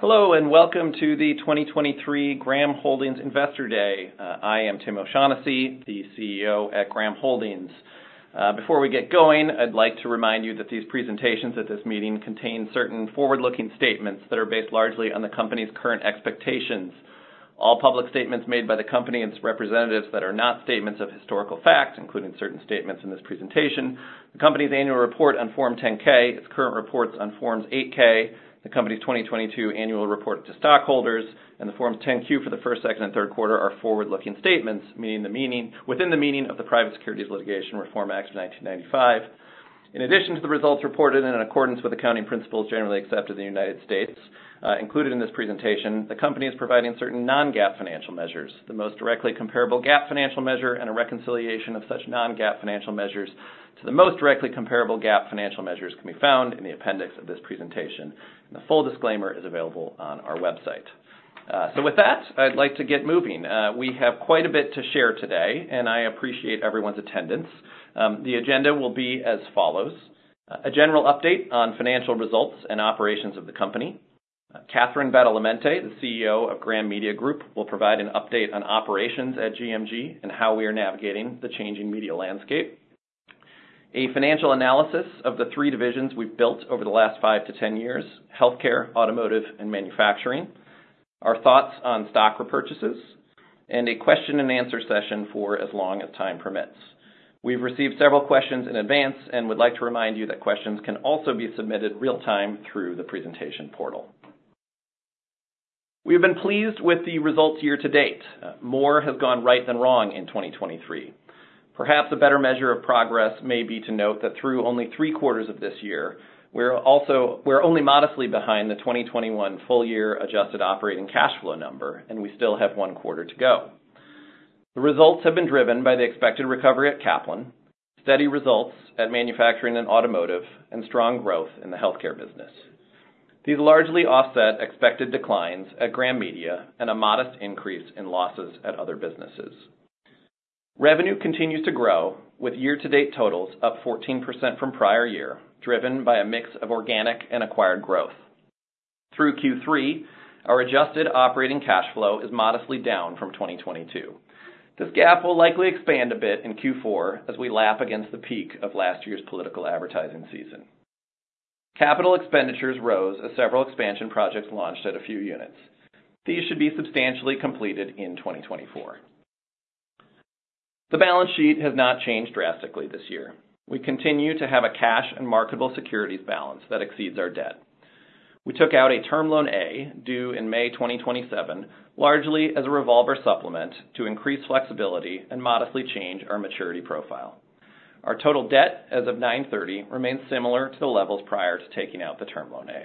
Hello, and welcome to the 2023 Graham Holdings Investor Day. I am Tim O'Shaughnessy, the CEO at Graham Holdings. Before we get going, I'd like to remind you that these presentations at this meeting contain certain forward-looking statements that are based largely on the company's current expectations. All public statements made by the company and its representatives that are not statements of historical facts, including certain statements in this presentation, the company's annual report on Form 10-K, its current reports on Forms 8-K, the company's 2022 annual report to stockholders, and the Form 10-Q for the first, second, and third quarter are forward-looking statements within the meaning of the Private Securities Litigation Reform Act of 1995. In addition to the results reported in accordance with accounting principles generally accepted in the United States, included in this presentation, the company is providing certain non-GAAP financial measures. The most directly comparable GAAP financial measure and a reconciliation of such non-GAAP financial measures to the most directly comparable GAAP financial measures can be found in the appendix of this presentation. The full disclaimer is available on our website. With that, I'd like to get moving. We have quite a bit to share today, and I appreciate everyone's attendance. The agenda will be as follows: A general update on financial results and operations of the company. Catherine Badalamente, the CEO of Graham Media Group, will provide an update on operations at GMG and how we are navigating the changing media landscape. A financial analysis of the three divisions we've built over the last 5years-10 years: Healthcare, Automotive, and Manufacturing. Our thoughts on stock repurchases, and a question and answer session for as long as time permits. We've received several questions in advance and would like to remind you that questions can also be submitted real-time through the presentation portal. We've been pleased with the results year to date. More has gone right than wrong in 2023. Perhaps a better measure of progress may be to note that through only 3 quarters of this year, we're only modestly behind the 2021 full year adjusted operating cash flow number, and we still have 1 quarter to go. The results have been driven by the expected recovery at Kaplan, steady results at manufacturing and automotive, and strong growth in the healthcare business. These largely offset expected declines at Graham Media and a modest increase in losses at Other Businesses. Revenue continues to grow, with year-to-date totals up 14% from prior year, driven by a mix of organic and acquired growth. Through Q3, our adjusted operating cash flow is modestly down from 2022. This gap will likely expand a bit in Q4 as we lap against the peak of last year's political advertising season. Capital expenditures rose as several expansion projects launched at a few units. These should be substantially completed in 2024. The balance sheet has not changed drastically this year. We continue to have a cash and marketable securities balance that exceeds our debt. We took out a Term Loan A, due in May 2027, largely as a revolver supplement to increase flexibility and modestly change our maturity profile. Our total debt as of 9/30 remains similar to the levels prior to taking out the Term Loan A.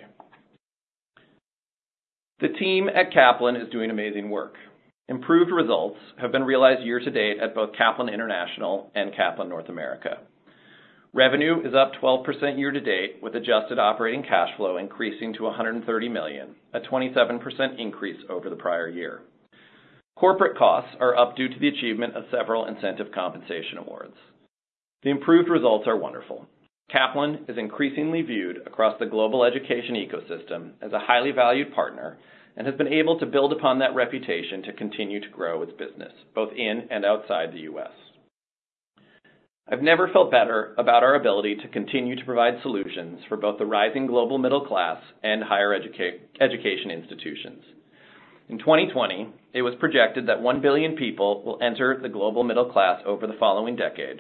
The team at Kaplan is doing amazing work. Improved results have been realized year to date at both Kaplan International and Kaplan North America. Revenue is up 12% year-to-date, with adjusted operating cash flow increasing to $130 million, a 27% increase over the prior year. Corporate costs are up due to the achievement of several incentive compensation awards. The improved results are wonderful. Kaplan is increasingly viewed across the global education ecosystem as a highly valued partner and has been able to build upon that reputation to continue to grow its business, both in and outside the U.S. I've never felt better about our ability to continue to provide solutions for both the rising global middle class and higher education institutions. In 2020, it was projected that 1 billion people will enter the global middle class over the following decade,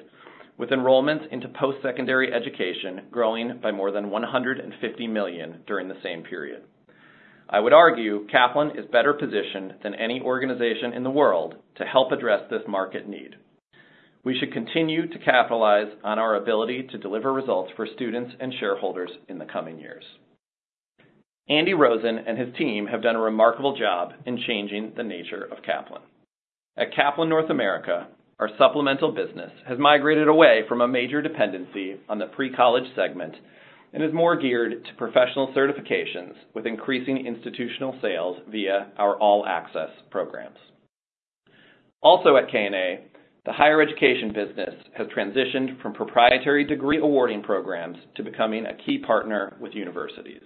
with enrollments into post-secondary education growing by more than 150 million during the same period. I would argue Kaplan is better positioned than any organization in the world to help address this market need. We should continue to capitalize on our ability to deliver results for students and shareholders in the coming years. Andy Rosen and his team have done a remarkable job in changing the nature of Kaplan. At Kaplan North America, our supplemental business has migrated away from a major dependency on the Pre-College segment and is more geared to professional certifications, with increasing institutional sales via our All Access programs. Also at KNA, the higher education business has transitioned from proprietary degree awarding programs to becoming a key partner with universities.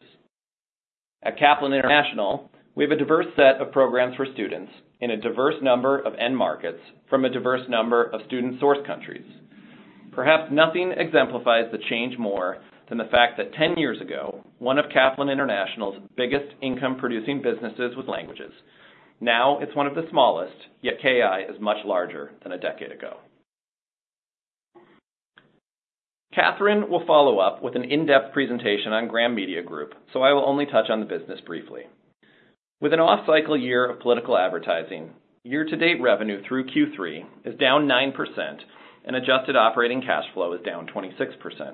At Kaplan International, we have a diverse set of programs for students in a diverse number of end markets from a diverse number of student source countries. Perhaps nothing exemplifies the change more than the fact that 10 years ago, one of Kaplan International's biggest income-producing businesses was languages. Now it's one of the smallest, yet KI is much larger than a decade ago. Catherine will follow up with an in-depth presentation on Graham Media Group, so I will only touch on the business briefly. With an off-cycle year of political advertising, year-to-date revenue through Q3 is down 9% and adjusted operating cash flow is down 26%.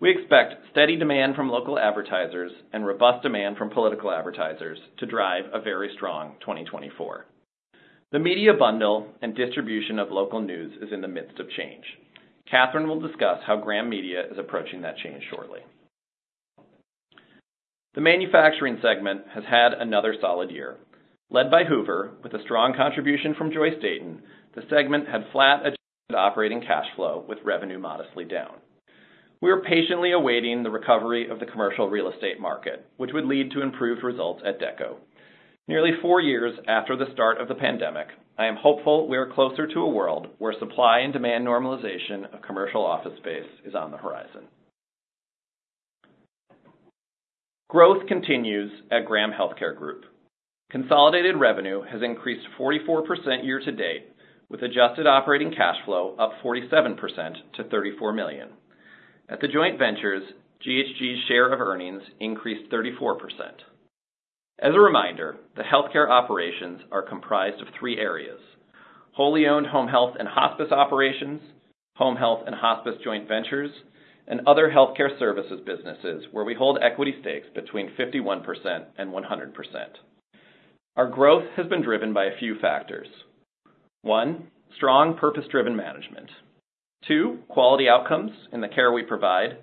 We expect steady demand from local advertisers and robust demand from political advertisers to drive a very strong 2024. The media bundle and distribution of local news is in the midst of change. Catherine will discuss how Graham Media is approaching that change shortly. The manufacturing segment has had another solid year. Led by Hoover, with a strong contribution from Joyce/Dayton, the segment had flat adjusted operating cash flow, with revenue modestly down. We are patiently awaiting the recovery of the commercial real estate market, which would lead to improved results at Dekko. Nearly four years after the start of the pandemic, I am hopeful we are closer to a world where supply and demand normalization of commercial office space is on the horizon. Growth continues at Graham Healthcare Group. Consolidated revenue has increased 44% year-to-date, with adjusted operating cash flow up 47% to $34 million. At the joint ventures, GHG's share of earnings increased 34%. As a reminder, the healthcare operations are comprised of three areas: wholly owned home health and hospice operations, home health and hospice joint ventures, and other healthcare services businesses where we hold equity stakes between 51% and 100%. Our growth has been driven by a few factors. One, strong purpose-driven management. Two, quality outcomes in the care we provide.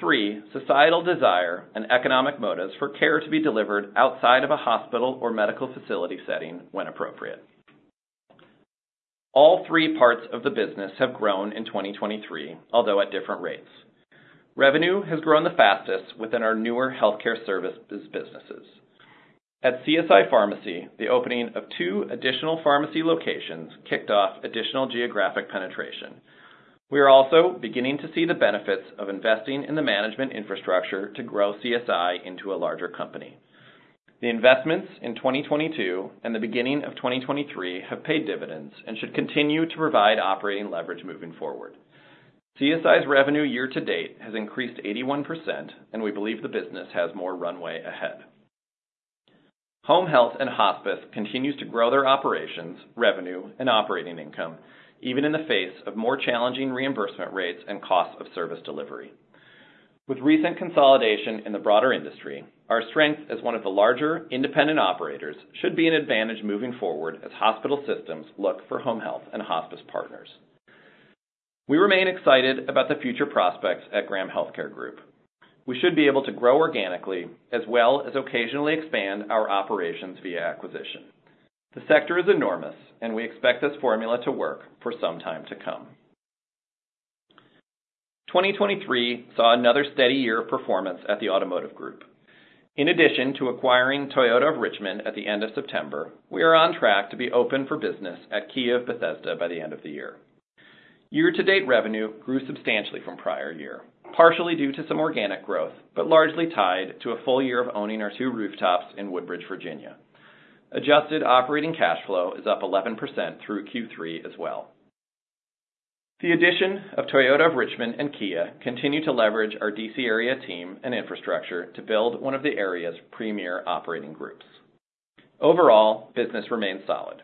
Three, societal desire and economic motives for care to be delivered outside of a hospital or medical facility setting when appropriate. All three parts of the business have grown in 2023, although at different rates. Revenue has grown the fastest within our newer Healthcare Services businesses. At CSI Pharmacy, the opening of 2 additional pharmacy locations kicked off additional geographic penetration. We are also beginning to see the benefits of investing in the management infrastructure to grow CSI into a larger company. The investments in 2022 and the beginning of 2023 have paid dividends and should continue to provide operating leverage moving forward. CSI's revenue year-to-date has increased 81%, and we believe the business has more runway ahead. Home health and hospice continues to grow their operations, revenue, and operating income, even in the face of more challenging reimbursement rates and costs of service delivery. With recent consolidation in the broader industry, our strength as one of the larger independent operators should be an advantage moving forward as hospital systems look for home health and hospice partners. We remain excited about the future prospects at Graham Healthcare Group. We should be able to grow organically, as well as occasionally expand our operations via acquisition. The sector is enormous, and we expect this formula to work for some time to come. 2023 saw another steady year of performance at the automotive group. In addition to acquiring Toyota of Richmond at the end of September, we are on track to be open for business at Kia Bethesda by the end of the year. Year-to-date revenue grew substantially from prior year, partially due to some organic growth, but largely tied to a full year of owning our two rooftops in Woodbridge, Virginia. Adjusted operating cash flow is up 11% through Q3 as well. The addition of Toyota of Richmond and Kia continue to leverage our D.C. area team and infrastructure to build one of the area's premier operating groups. Overall, business remains solid.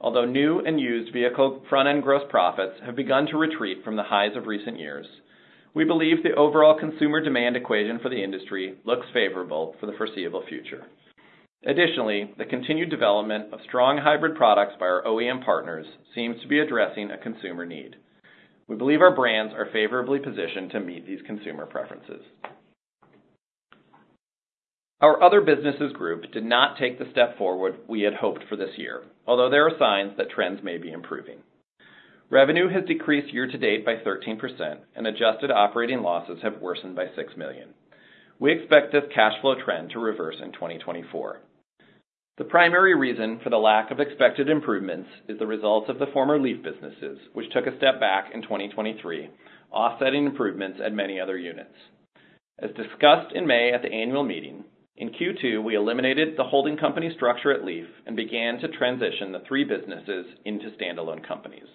Although new and used vehicle front-end gross profits have begun to retreat from the highs of recent years, we believe the overall consumer demand equation for the industry looks favorable for the foreseeable future. Additionally, the continued development of strong hybrid products by our OEM partners seems to be addressing a consumer need. We believe our brands are favorably positioned to meet these consumer preferences. Our Other Businesses group did not take the step forward we had hoped for this year, although there are signs that trends may be improving. Revenue has decreased year-to-date by 13%, and adjusted operating losses have worsened by $6 million. We expect this cash flow trend to reverse in 2024. The primary reason for the lack of expected improvements is the results of the former Leaf businesses, which took a step back in 2023, offsetting improvements at many other units. As discussed in May at the annual meeting, in Q2, we eliminated the holding company structure at Leaf and began to transition the three businesses into standalone companies.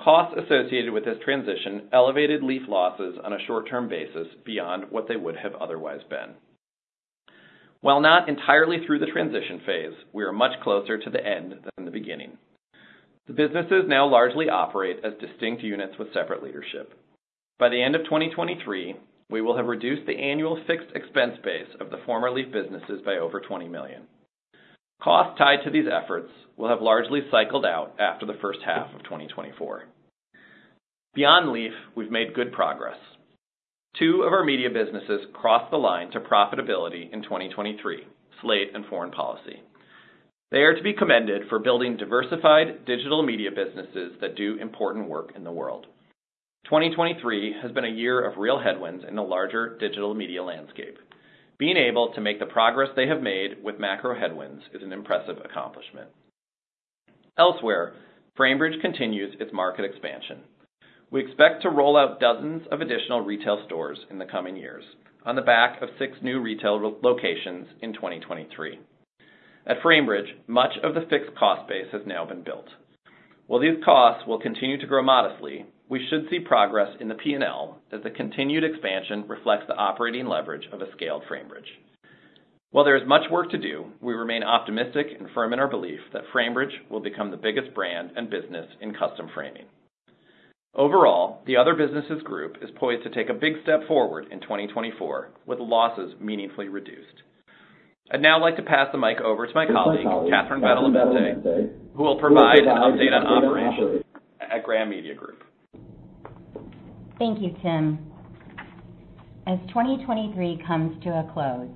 Costs associated with this transition elevated Leaf losses on a short-term basis beyond what they would have otherwise been. While not entirely through the transition phase, we are much closer to the end than the beginning. The businesses now largely operate as distinct units with separate leadership. By the end of 2023, we will have reduced the annual fixed expense base of the former Leaf businesses by over $20 million. Costs tied to these efforts will have largely cycled out after the first half of 2024. Beyond Leaf, we've made good progress. Two of our media businesses crossed the line to profitability in 2023, Slate and Foreign Policy. They are to be commended for building diversified digital media businesses that do important work in the world. 2023 has been a year of real headwinds in the larger digital media landscape. Being able to make the progress they have made with macro headwinds is an impressive accomplishment. Elsewhere, Framebridge continues its market expansion. We expect to roll out dozens of additional retail stores in the coming years on the back of six new retail locations in 2023. At Framebridge, much of the fixed cost base has now been built. While these costs will continue to grow modestly, we should see progress in the P&L as the continued expansion reflects the operating leverage of a scaled Framebridge. While there is much work to do, we remain optimistic and firm in our belief that Framebridge will become the biggest brand and business in custom framing. Overall, the Other Businesses group is poised to take a big step forward in 2024, with losses meaningfully reduced. I'd now like to pass the mic over to my colleague, Catherine Badalamente, who will provide an update on operations at Graham Media Group. Thank you, Tim. As 2023 comes to a close,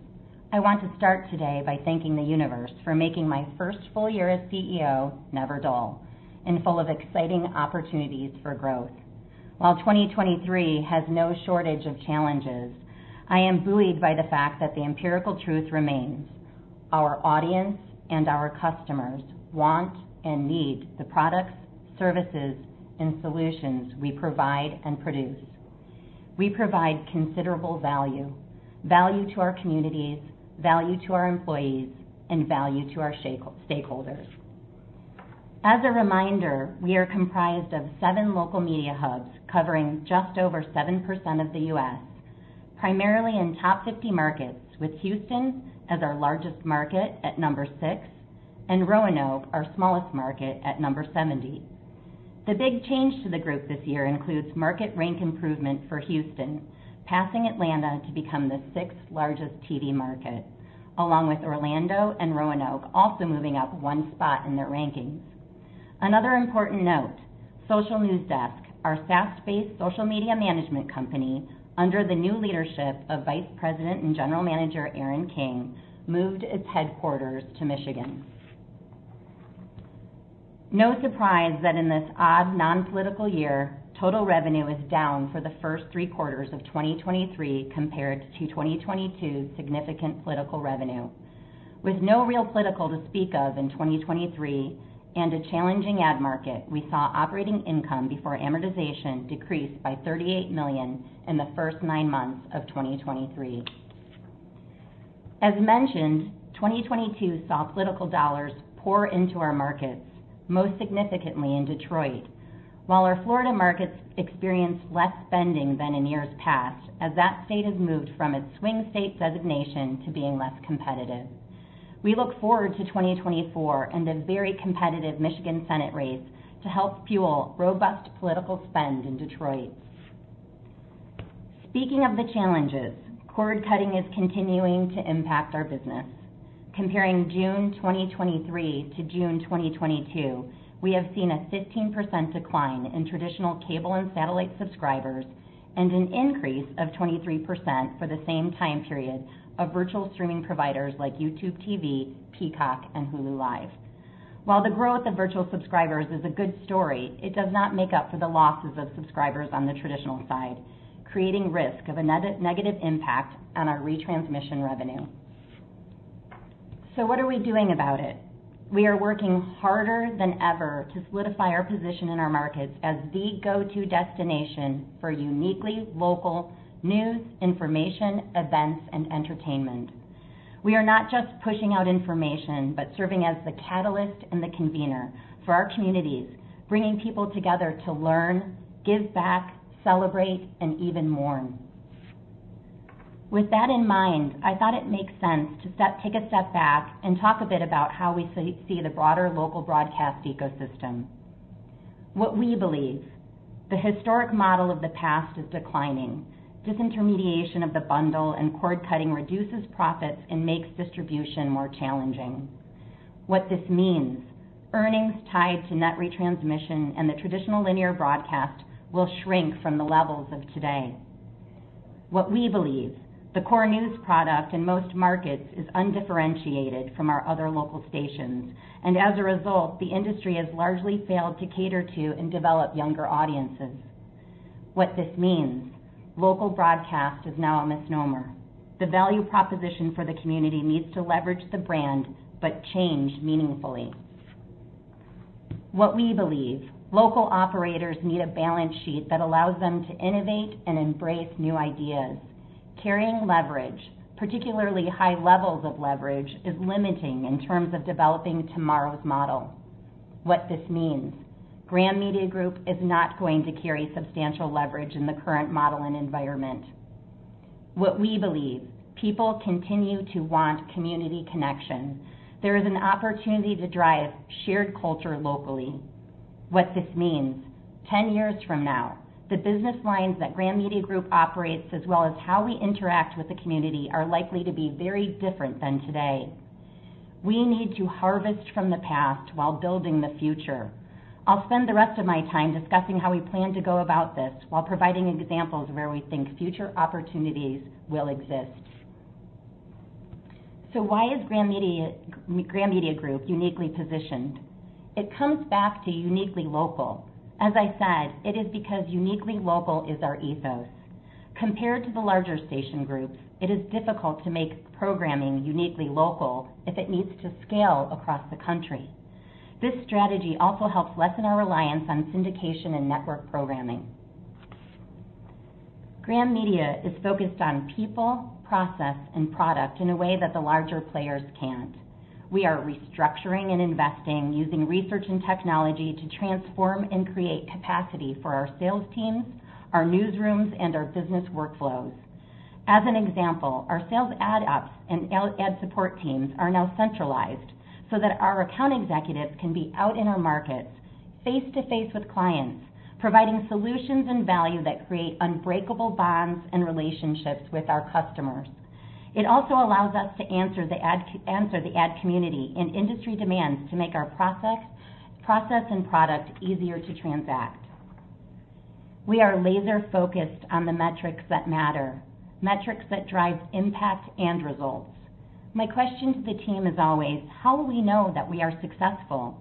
I want to start today by thanking the universe for making my first full year as CEO never dull and full of exciting opportunities for growth. While 2023 has no shortage of challenges, I am buoyed by the fact that the empirical truth remains: our audience and our customers want and need the products, services, and solutions we provide and produce. We provide considerable value, value to our communities, value to our employees, and value to our stake, stakeholders. As a reminder, we are comprised of seven local media hubs covering just over 7% of the U.S., primarily in top 50 markets, with Houston as our largest market at number 6, and Roanoke, our smallest market, at number 70. The big change to the group this year includes market rank improvement for Houston, passing Atlanta to become the sixth largest TV market, along with Orlando and Roanoke, also moving up one spot in their rankings. Another important note, Social News Desk, our SaaS-based social media management company, under the new leadership of Vice President and General Manager Aaron King, moved its headquarters to Michigan. No surprise that in this odd, non-political year, total revenue is down for the first three quarters of 2023 compared to 2022's significant political revenue. With no real political to speak of in 2023 and a challenging ad market, we saw operating income before amortization decrease by $38 million in the first nine months of 2023. As mentioned, 2022 saw political dollars pour into our markets, most significantly in Detroit, while our Florida markets experienced less spending than in years past, as that state has moved from its swing state designation to being less competitive. We look forward to 2024 and a very competitive Michigan Senate race to help fuel robust political spend in Detroit. Speaking of the challenges, cord cutting is continuing to impact our business. Comparing June 2023 to June 2022, we have seen a 15% decline in traditional cable and satellite subscribers and an increase of 23% for the same time period of virtual streaming providers like YouTube TV, Peacock, and Hulu Live. While the growth of virtual subscribers is a good story, it does not make up for the losses of subscribers on the traditional side, creating risk of a negative impact on our retransmission revenue. What are we doing about it? We are working harder than ever to solidify our position in our markets as the go-to destination for uniquely local news, information, events, and entertainment. We are not just pushing out information, but serving as the catalyst and the convener for our communities, bringing people together to learn, give back, celebrate, and even mourn. With that in mind, I thought it makes sense to take a step back and talk a bit about how we see the broader local broadcast ecosystem. What we believe: the historic model of the past is declining. Disintermediation of the bundle and cord cutting reduces profits and makes distribution more challenging. What this means: earnings tied to net retransmission and the traditional linear broadcast will shrink from the levels of today. What we believe: the core news product in most markets is undifferentiated from our other local stations, and as a result, the industry has largely failed to cater to and develop younger audiences. What this means: local broadcast is now a misnomer. The value proposition for the community needs to leverage the brand, but change meaningfully. What we believe: local operators need a balance sheet that allows them to innovate and embrace new ideas. Carrying leverage, particularly high levels of leverage, is limiting in terms of developing tomorrow's model. What this means: Graham Media Group is not going to carry substantial leverage in the current model and environment. What we believe: people continue to want community connection. There is an opportunity to drive shared culture locally. What this means: 10 years from now, the business lines that Graham Media Group operates, as well as how we interact with the community, are likely to be very different than today. We need to harvest from the past while building the future. I'll spend the rest of my time discussing how we plan to go about this while providing examples where we think future opportunities will exist. Why is Graham Media Group uniquely positioned? It comes back to uniquely local. As I said, it is because uniquely local is our ethos. Compared to the larger station groups, it is difficult to make programming uniquely local if it needs to scale across the country. This strategy also helps lessen our reliance on syndication and network programming. Graham Media is focused on people, process, and product in a way that the larger players can't. We are restructuring and investing, using research and technology to transform and create capacity for our sales teams, our newsrooms, and our business workflows. As an example, our sales ad ops and ad support teams are now centralized so that our account executives can be out in our markets, face-to-face with clients, providing solutions and value that create unbreakable bonds and relationships with our customers. It also allows us to answer the ad community and industry demands to make our process and product easier to transact. We are laser focused on the metrics that matter, metrics that drive impact and results. My question to the team is always, how will we know that we are successful?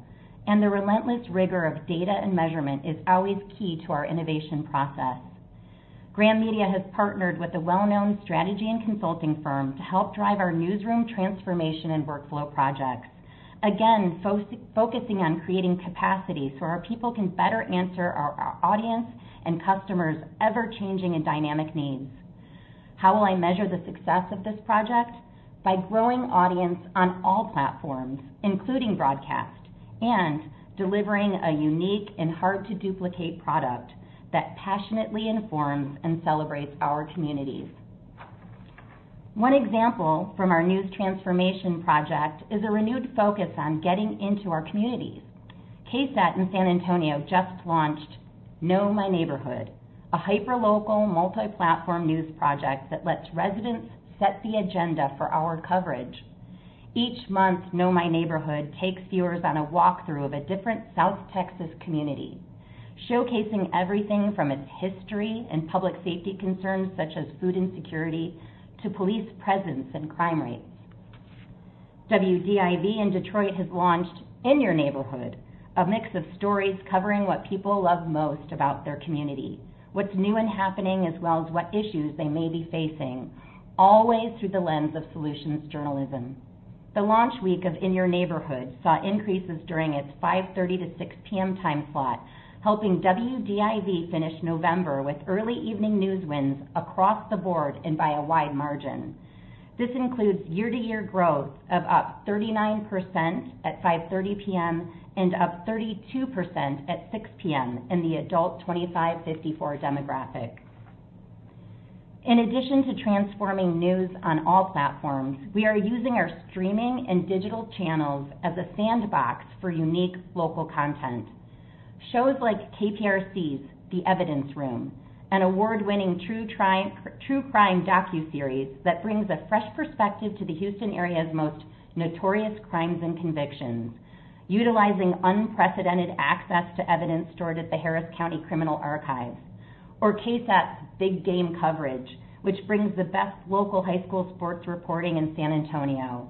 The relentless rigor of data and measurement is always key to our innovation process. Graham Media has partnered with a well-known strategy and consulting firm to help drive our newsroom transformation and workflow projects. Again, focusing on creating capacity so our people can better answer our audience and customers' ever-changing and dynamic needs. How will I measure the success of this project? By growing audience on all platforms, including broadcast, and delivering a unique and hard-to-duplicate product that passionately informs and celebrates our communities. One example from our news transformation project is a renewed focus on getting into our communities. KSAT in San Antonio just launched Know My Neighborhood, a hyperlocal, multi-platform news project that lets residents set the agenda for our coverage. Each month, Know My Neighborhood takes viewers on a walkthrough of a different South Texas community, showcasing everything from its history and public safety concerns, such as food insecurity, to police presence and crime rates. WDIV in Detroit has launched In Your Neighborhood, a mix of stories covering what people love most about their community, what's new and happening, as well as what issues they may be facing, always through the lens of solutions journalism. The launch week of In Your Neighborhood saw increases during its 5:30 P.M.-6:00 P.M. time slot, helping WDIV finish November with early evening news wins across the board and by a wide margin. This includes year-to-year growth of up 39% at 5:30 P.M., and up 32% at 6:00 P.M. in the adults 25-54 demographic. In addition to transforming news on all platforms, we are using our streaming and digital channels as a sandbox for unique local content. Shows like KPRC's The Evidence Room, an award-winning true crime docuseries that brings a fresh perspective to the Houston area's most notorious crimes and convictions, utilizing unprecedented access to evidence stored at the Harris County Criminal Archive, or KSAT's Big Game Coverage, which brings the best local high school sports reporting in San Antonio,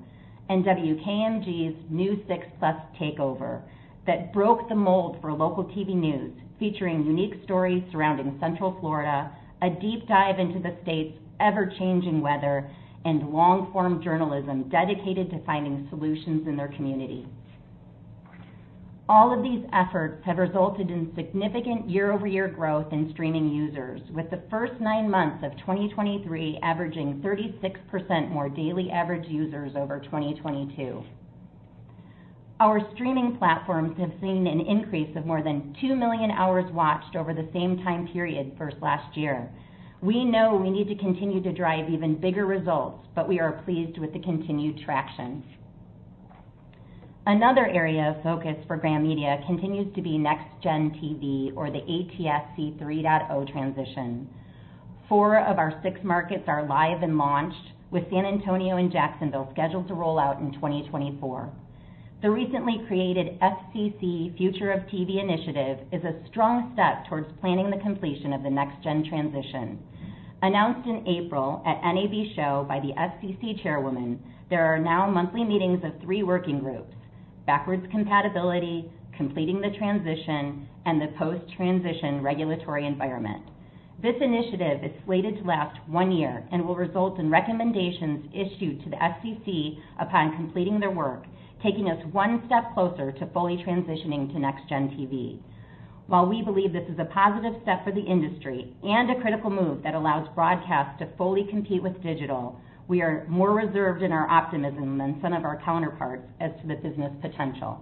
and WKMG's News 6+ Takeover, that broke the mold for local TV news, featuring unique stories surrounding Central Florida, a deep dive into the state's ever-changing weather, and long-form journalism dedicated to finding solutions in their community. All of these efforts have resulted in significant year-over-year growth in streaming users, with the first nine months of 2023 averaging 36% more daily average users over 2022. Our streaming platforms have seen an increase of more than 2 million hours watched over the same time period versus last year. We know we need to continue to drive even bigger results, but we are pleased with the continued traction. Another area of focus for Graham Media continues to be NextGen TV, or the ATSC 3.0 transition. 4 of our 6 markets are live and launched, with San Antonio and Jacksonville scheduled to roll out in 2024. The recently created FCC Future of TV Initiative is a strong step towards planning the completion of the next gen transition. Announced in April at NAB Show by the FCC Chairwoman, there are now monthly meetings of 3 working groups: backwards compatibility, completing the transition, and the post-transition regulatory environment. This initiative is slated to last 1 year and will result in recommendations issued to the FCC upon completing their work, taking us one step closer to fully transitioning to NextGen TV. While we believe this is a positive step for the industry and a critical move that allows broadcast to fully compete with digital, we are more reserved in our optimism than some of our counterparts as to the business potential.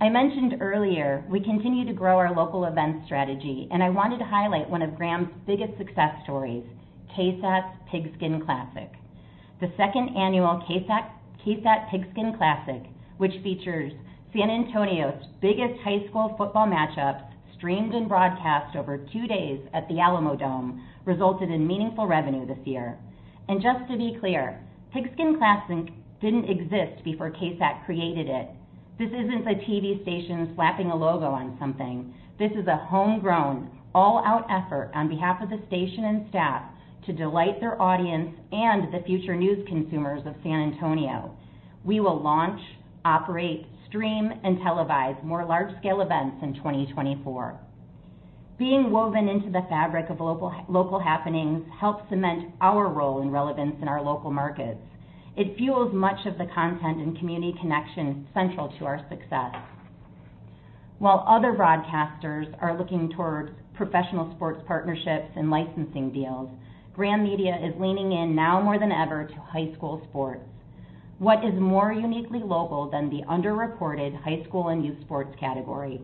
I mentioned earlier, we continue to grow our local events strategy, and I wanted to highlight one of Graham's biggest success stories, KSAT's Pigskin Classic. The second annual KSAT Pigskin Classic, which features San Antonio's biggest high school football matchup, streamed and broadcast over two days at the Alamodome, resulted in meaningful revenue this year. Just to be clear, Pigskin Classic didn't exist before KSAT created it. This isn't the TV station slapping a logo on something. This is a homegrown, all-out effort on behalf of the station and staff to delight their audience and the future news consumers of San Antonio. We will launch, operate, stream, and televise more large-scale events in 2024. Being woven into the fabric of local, local happenings helps cement our role and relevance in our local markets. It fuels much of the content and community connection central to our success. While other broadcasters are looking towards professional sports partnerships and licensing deals, Graham Media is leaning in, now more than ever, to high school sports. What is more uniquely local than the underreported high school and youth sports category?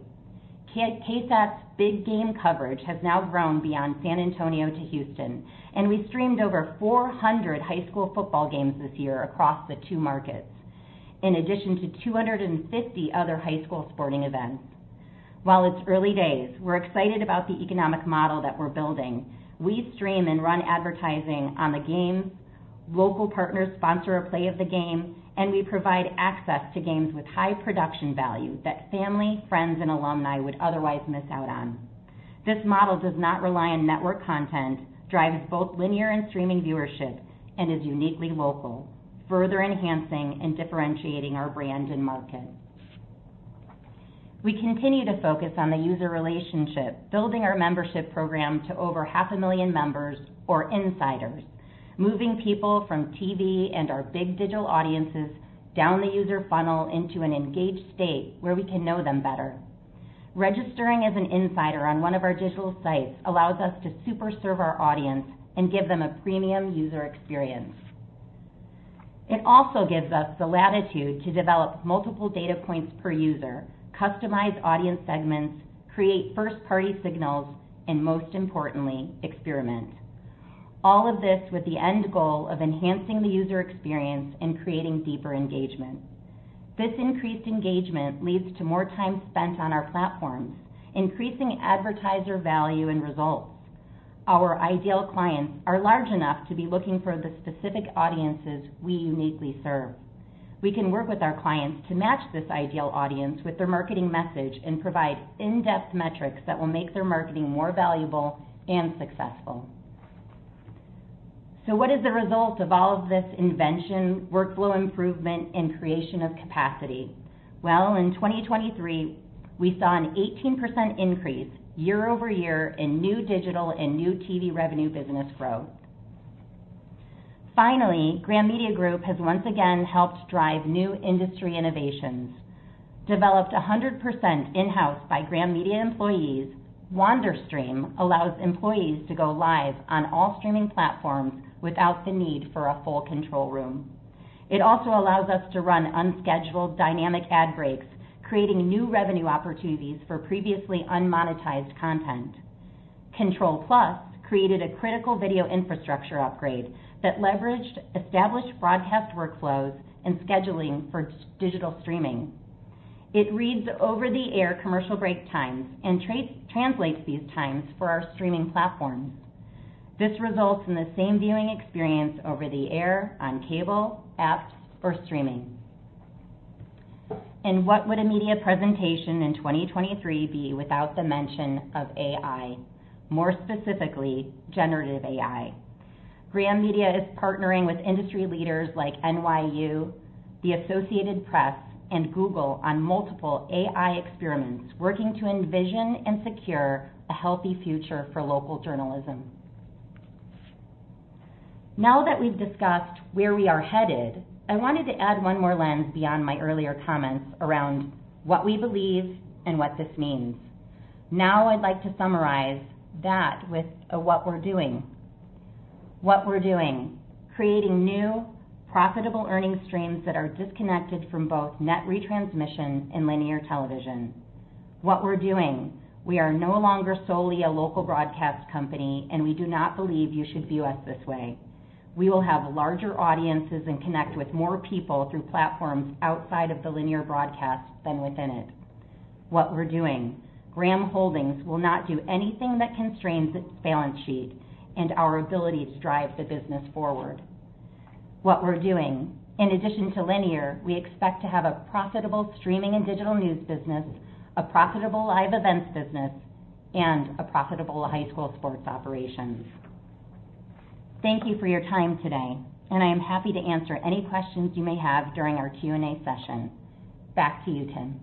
KSAT's Big Game Coverage has now grown beyond San Antonio to Houston, and we streamed over 400 high school football games this year across the two markets, in addition to 250 other high school sporting events. While it's early days, we're excited about the economic model that we're building. We stream and run advertising on the game, local partners sponsor a play of the game, and we provide access to games with high production value that family, friends, and alumni would otherwise miss out on. This model does not rely on network content, drives both linear and streaming viewership, and is uniquely local, further enhancing and differentiating our brand and market. We continue to focus on the user relationship, building our membership program to over half a million members or insiders, moving people from TV and our big digital audiences down the user funnel into an engaged state where we can know them better. Registering as an insider on one of our digital sites allows us to super serve our audience and give them a premium user experience. It also gives us the latitude to develop multiple data points per user, customize audience segments, create first-party signals, and most importantly, experiment. All of this with the end goal of enhancing the user experience and creating deeper engagement. This increased engagement leads to more time spent on our platforms, increasing advertiser value and results. Our ideal clients are large enough to be looking for the specific audiences we uniquely serve. We can work with our clients to match this ideal audience with their marketing message and provide in-depth metrics that will make their marketing more valuable and successful. What is the result of all of this invention, workflow improvement, and creation of capacity? Well, in 2023, we saw an 18% increase year-over-year in new digital and new TV revenue business growth. Finally, Graham Media Group has once again helped drive new industry innovations, developed 100% in-house by Graham Media employees. Wander Stream allows employees to go live on all streaming platforms without the need for a full control room. It also allows us to run unscheduled dynamic ad breaks, creating new revenue opportunities for previously unmonetized content. Control+ created a critical video infrastructure upgrade that leveraged established broadcast workflows and scheduling for digital streaming. It reads over-the-air commercial break times and translates these times for our streaming platforms. This results in the same viewing experience over the air, on cable, apps, or streaming. And what would a media presentation in 2023 be without the mention of AI? More specifically, generative AI. Graham Media is partnering with industry leaders like NYU, the Associated Press, and Google on multiple AI experiments, working to envision and secure a healthy future for local journalism. Now that we've discussed where we are headed, I wanted to add one more lens beyond my earlier comments around what we believe and what this means. Now, I'd like to summarize that with what we're doing. What we're doing, creating new, profitable earning streams that are disconnected from both net retransmission and linear television. What we're doing, we are no longer solely a local broadcast company, and we do not believe you should view us this way. We will have larger audiences and connect with more people through platforms outside of the linear broadcast than within it. What we're doing, Graham Holdings will not do anything that constrains its balance sheet and our ability to drive the business forward. What we're doing, in addition to linear, we expect to have a profitable streaming and digital news business, a profitable live events business, and a profitable high school sports operations. Thank you for your time today, and I am happy to answer any questions you may have during our Q&A session. Back to you, Tim.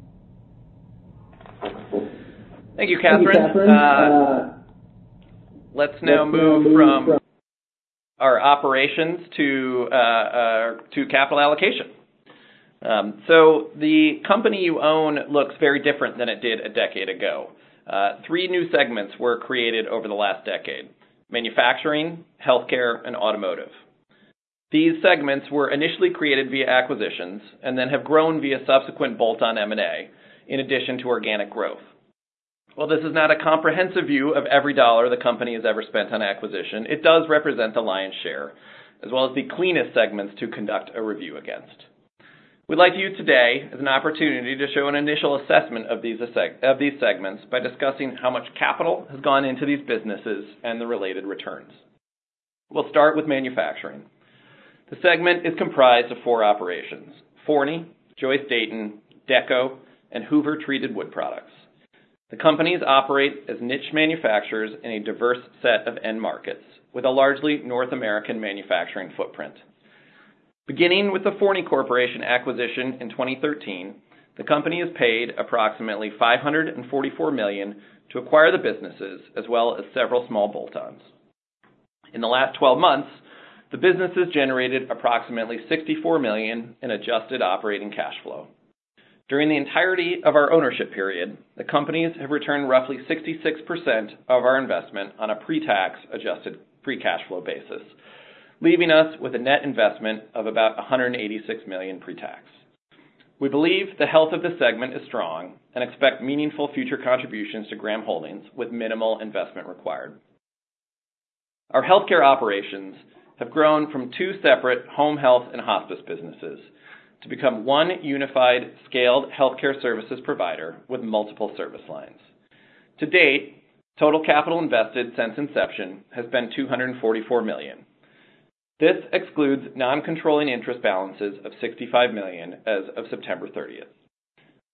Thank you, Catherine. Let's now move from our operations to capital allocation. The company you own looks very different than it did a decade ago. Three new segments were created over the last decade: Manufacturing, Healthcare, and Automotive. These segments were initially created via acquisitions and then have grown via subsequent bolt-on M&A, in addition to organic growth. While this is not a comprehensive view of every dollar the company has ever spent on acquisition, it does represent the lion's share, as well as the cleanest segments to conduct a review against. We'd like to use today as an opportunity to show an initial assessment of these segments by discussing how much capital has gone into these businesses and the related returns. We'll start with Manufacturing. The segment is comprised of four operations, Forney, Joyce/Dayton, Dekko, and Hoover Treated Wood Products. The companies operate as niche manufacturers in a diverse set of end markets, with a largely North American manufacturing footprint. Beginning with the Forney Corporation acquisition in 2013, the company has paid approximately $544 million to acquire the businesses, as well as several small bolt-ons. In the last 12 months, the businesses generated approximately $64 million in adjusted operating cash flow. During the entirety of our ownership period, the companies have returned roughly 66% of our investment on a pre-tax adjusted free cash flow basis, leaving us with a net investment of about $186 million pre-tax. We believe the health of the segment is strong and expect meaningful future contributions to Graham Holdings with minimal investment required. Our Healthcare operations have grown from two separate home health and hospice businesses to become one unified, scaled healthcare services provider with multiple service lines. To date, total capital invested since inception has been $244 million. This excludes non-controlling interest balances of $65 million as of September 30.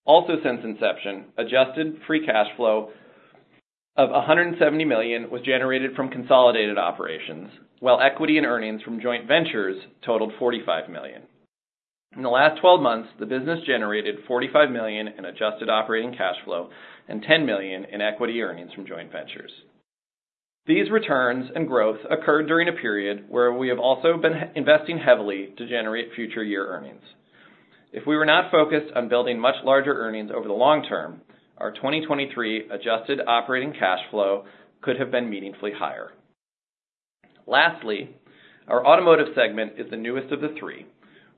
Also, since inception, adjusted free cash flow of $170 million was generated from consolidated operations, while equity and earnings from joint ventures totaled $45 million. In the last 12 months, the business generated $45 million in adjusted operating cash flow and $10 million in equity earnings from joint ventures. These returns and growth occurred during a period where we have also been investing heavily to generate future year earnings. If we were not focused on building much larger earnings over the long term, our 2023 adjusted operating cash flow could have been meaningfully higher. Lastly, our Automotive segment is the newest of the three,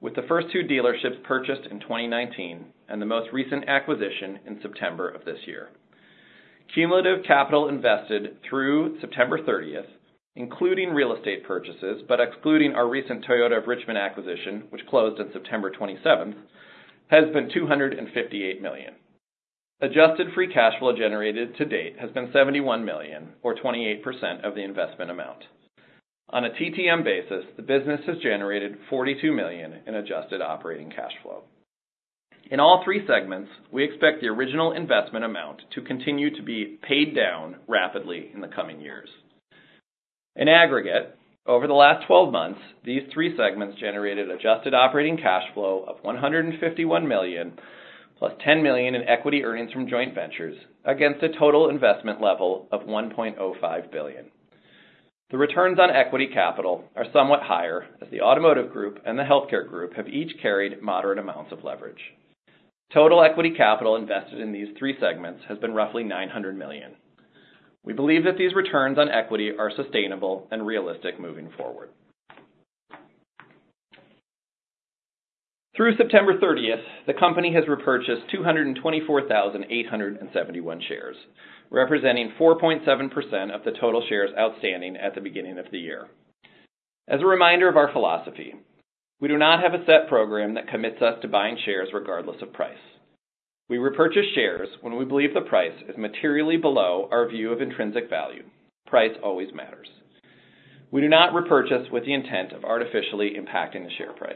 with the first two dealerships purchased in 2019, and the most recent acquisition in September of this year. Cumulative capital invested through September 30th, including real estate purchases, but excluding our recent Toyota of Richmond acquisition, which closed on September 27th, has been $258 million. Adjusted free cash flow generated to date has been $71 million, or 28% of the investment amount. On a TTM basis, the business has generated $42 million in adjusted operating cash flow. In all three segments, we expect the original investment amount to continue to be paid down rapidly in the coming years. In aggregate, over the last 12 months, these three segments generated adjusted operating cash flow of $151 million, +$10 million in equity earnings from joint ventures, against a total investment level of $1.05 billion. The returns on equity capital are somewhat higher, as the Automotive group and the Healthcare group have each carried moderate amounts of leverage. Total equity capital invested in these three segments has been roughly $900 million. We believe that these returns on equity are sustainable and realistic moving forward. Through September 30, the company has repurchased 224,871 shares, representing 4.7% of the total shares outstanding at the beginning of the year. As a reminder of our philosophy, we do not have a set program that commits us to buying shares regardless of price. We repurchase shares when we believe the price is materially below our view of intrinsic value. Price always matters. We do not repurchase with the intent of artificially impacting the share price.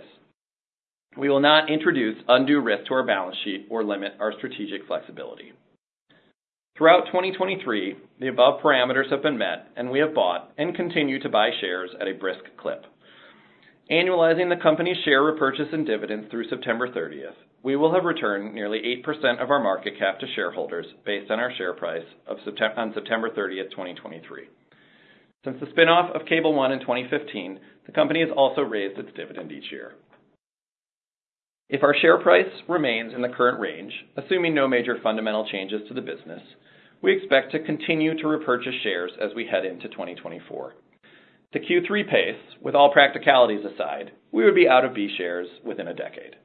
We will not introduce undue risk to our balance sheet or limit our strategic flexibility. Throughout 2023, the above parameters have been met, and we have bought and continue to buy shares at a brisk clip. Annualizing the company's share repurchase and dividends through September 30, we will have returned nearly 8% of our market cap to shareholders based on our share price on September 30, 2023. Since the spin-off of Cable One in 2015, the company has also raised its dividend each year. If our share price remains in the current range, assuming no major fundamental changes to the business, we expect to continue to repurchase shares as we head into 2024. To Q3 pace, with all practicalities aside, we would be out of B shares within a decade.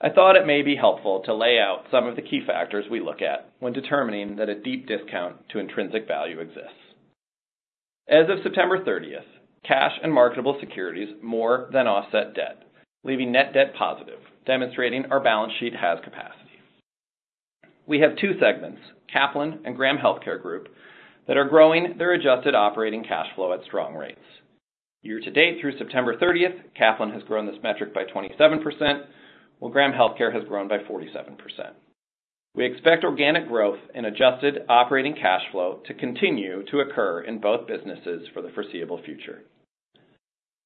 I thought it may be helpful to lay out some of the key factors we look at when determining that a deep discount to intrinsic value exists. As of September 30, cash and marketable securities more than offset debt, leaving net debt positive, demonstrating our balance sheet has capacity. We have two segments, Kaplan and Graham Healthcare Group, that are growing their adjusted operating cash flow at strong rates. Year-to-date through September 30, Kaplan has grown this metric by 27%, while Graham Healthcare has grown by 47%. We expect organic growth and adjusted operating cash flow to continue to occur in both businesses for the foreseeable future.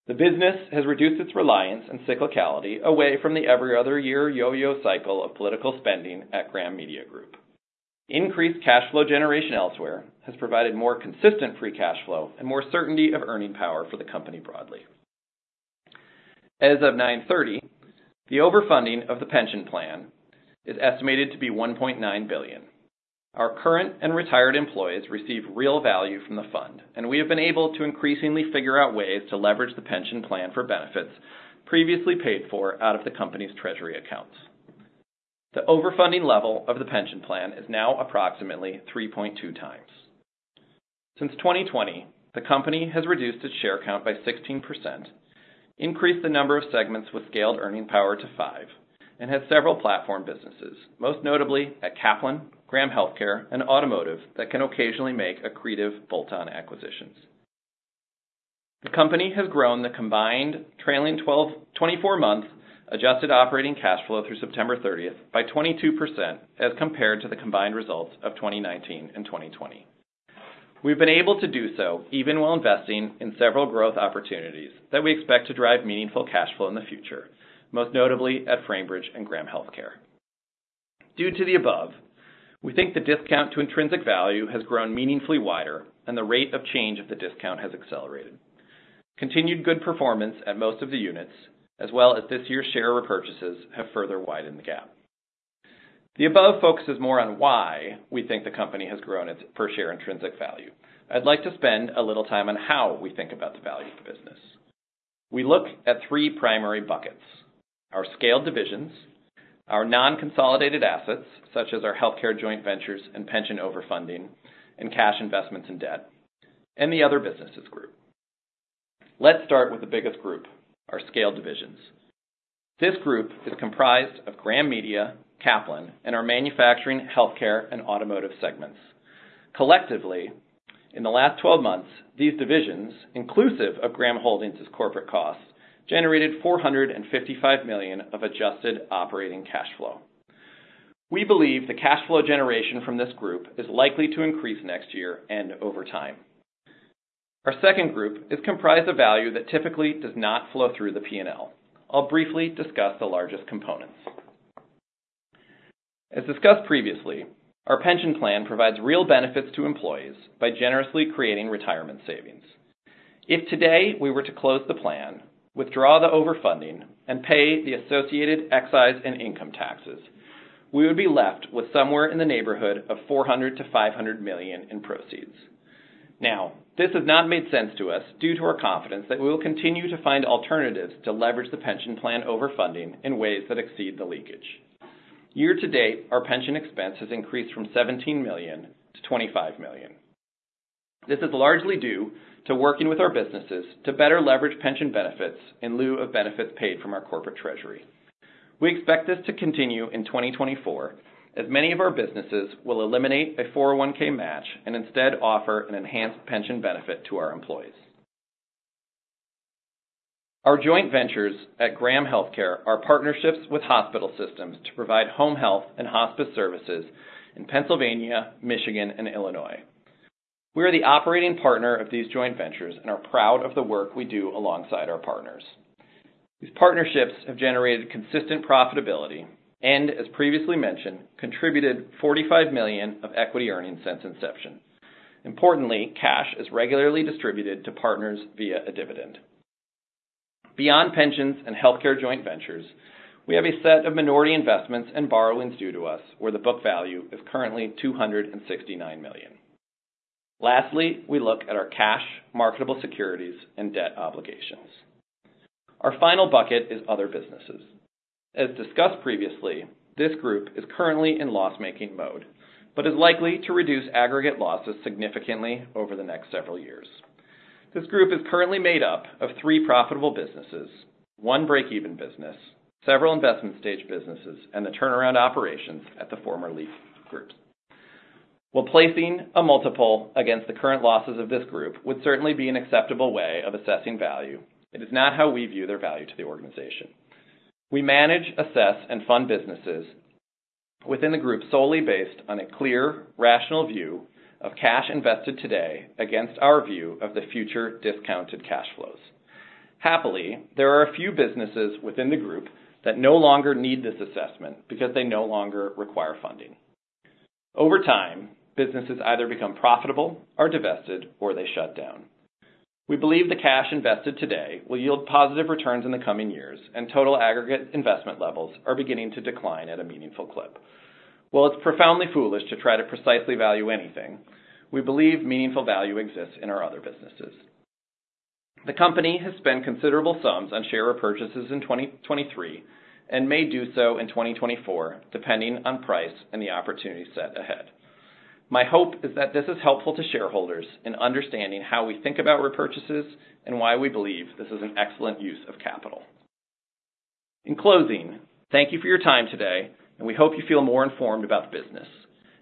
The business has reduced its reliance on cyclicality away from the every other year yo-yo cycle of political spending at Graham Media Group. Increased cash flow generation elsewhere has provided more consistent free cash flow and more certainty of earning power for the company broadly. As of 9:30 A.M., the overfunding of the pension plan is estimated to be $1.9 billion. Our current and retired employees receive real value from the fund, and we have been able to increasingly figure out ways to leverage the pension plan for benefits previously paid for out of the company's treasury accounts. The overfunding level of the pension plan is now approximately 3.2x. Since 2020, the company has reduced its share count by 16%, increased the number of segments with scaled earning power to 5, and has several platform businesses, most notably at Kaplan, Graham Healthcare, and Automotive, that can occasionally make accretive bolt-on acquisitions. The company has grown the combined trailing 12months-24 months adjusted operating cash flow through September 30th by 22% as compared to the combined results of 2019 and 2020. We've been able to do so even while investing in several growth opportunities that we expect to drive meaningful cash flow in the future, most notably at Framebridge and Graham Healthcare. Due to the above, we think the discount to intrinsic value has grown meaningfully wider, and the rate of change of the discount has accelerated. Continued good performance at most of the units, as well as this year's share repurchases, have further widened the gap. The above focuses more on why we think the company has grown its per share intrinsic value. I'd like to spend a little time on how we think about it. We looked at three primary buckets: our Scaled Divisions, our Non-Consolidated Assets, such as our Healthcare joint ventures and Pension Overfunding, and cash investments and debt, and the Other Businesses group. Let's start with the biggest group, our Scaled Divisions. This group is comprised of Graham Media, Kaplan, and our Manufacturing, Healthcare, and Automotive segments. Collectively, in the last 12 months, these divisions, inclusive of Graham Holdings' corporate costs, generated $455 million of adjusted operating cash flow. We believe the cash flow generation from this group is likely to increase next year and over time. Our second group is comprised of value that typically does not flow through the P&L. I'll briefly discuss the largest components. As discussed previously, our pension plan provides real benefits to employees by generously creating retirement savings. If today we were to close the plan, withdraw the overfunding, and pay the associated excise and income taxes, we would be left with somewhere in the neighborhood of $400 million-$500 million in proceeds. Now, this has not made sense to us due to our confidence that we will continue to find alternatives to leverage the pension plan overfunding in ways that exceed the leakage. Year-to-date, our pension expense has increased from $17 million-$25 million. This is largely due to working with our businesses to better leverage pension benefits in lieu of benefits paid from our Corporate Treasury. We expect this to continue in 2024, as many of our businesses will eliminate a 401(k) match and instead offer an enhanced pension benefit to our employees. Our joint ventures at Graham Healthcare are partnerships with hospital systems to provide home health and hospice services in Pennsylvania, Michigan, and Illinois. We are the operating partner of these joint ventures and are proud of the work we do alongside our partners. These partnerships have generated consistent profitability and, as previously mentioned, contributed $45 million of equity earnings since inception. Importantly, cash is regularly distributed to partners via a dividend. Beyond Pensions and Healthcare joint ventures, we have a set of minority investments and borrowings due to us, where the book value is currently $269 million. Lastly, we look at our cash, marketable securities, and debt obligations. Our final bucket is Other Businesses. As discussed previously, this group is currently in loss-making mode, but is likely to reduce aggregate losses significantly over the next several years. This group is currently made up of three profitable businesses, one break-even business, several investment stage businesses, and the turnaround operations at the former Leaf Group. While placing a multiple against the current losses of this group would certainly be an acceptable way of assessing value, it is not how we view their value to the organization. We manage, assess, and fund businesses within the group solely based on a clear, rational view of cash invested today against our view of the future discounted cash flows. Happily, there are a few businesses within the group that no longer need this assessment because they no longer require funding. Over time, businesses either become profitable or divested, or they shut down. We believe the cash invested today will yield positive returns in the coming years, and total aggregate investment levels are beginning to decline at a meaningful clip. While it's profoundly foolish to try to precisely value anything, we believe meaningful value exists in our Other Businesses. The company has spent considerable sums on share repurchases in 2023 and may do so in 2024, depending on price and the opportunity set ahead. My hope is that this is helpful to shareholders in understanding how we think about repurchases and why we believe this is an excellent use of capital. In closing, thank you for your time today, and we hope you feel more informed about the business.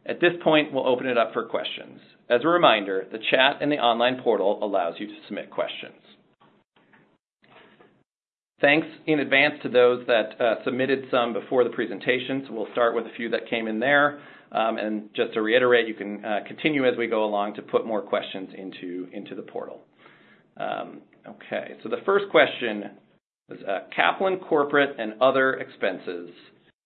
At this point, we'll open it up for questions. As a reminder, the chat and the online portal allows you to submit questions. Thanks in advance to those that submitted some before the presentation. We'll start with a few that came in there. Just to reiterate, you can continue as we go along to put more questions into the portal. Okay, so the first question is: "Kaplan corporate and other expenses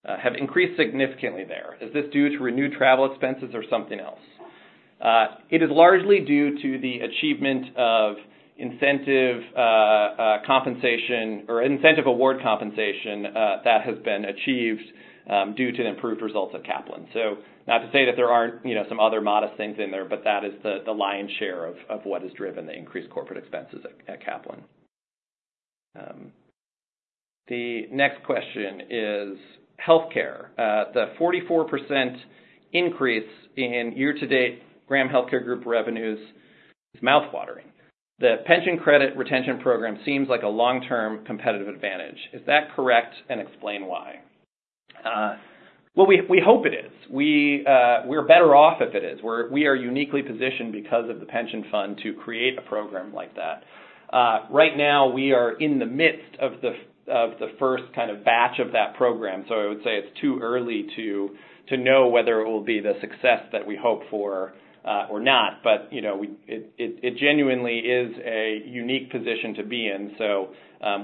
have increased significantly there. Is this due to renewed travel expenses or something else?" It is largely due to the achievement of incentive compensation or incentive award compensation that has been achieved due to improved results at Kaplan. Not to say that there aren't, you know, some other modest things in there, but that is the lion's share of what has driven the increased corporate expenses at Kaplan. The next question is Healthcare. The 44% increase in year-to-date Graham Healthcare Group revenues is mouthwatering. The Pension Credit Retention Program seems like a long-term competitive advantage. Is that correct? Explain why. Well, we hope it is. We're better off if it is. We are uniquely positioned because of the pension fund to create a program like that. Right now, we are in the midst of the first kind of batch of that program, so I would say it's too early to know whether it will be the success that we hope for, or not. You know, it genuinely is a unique position to be in.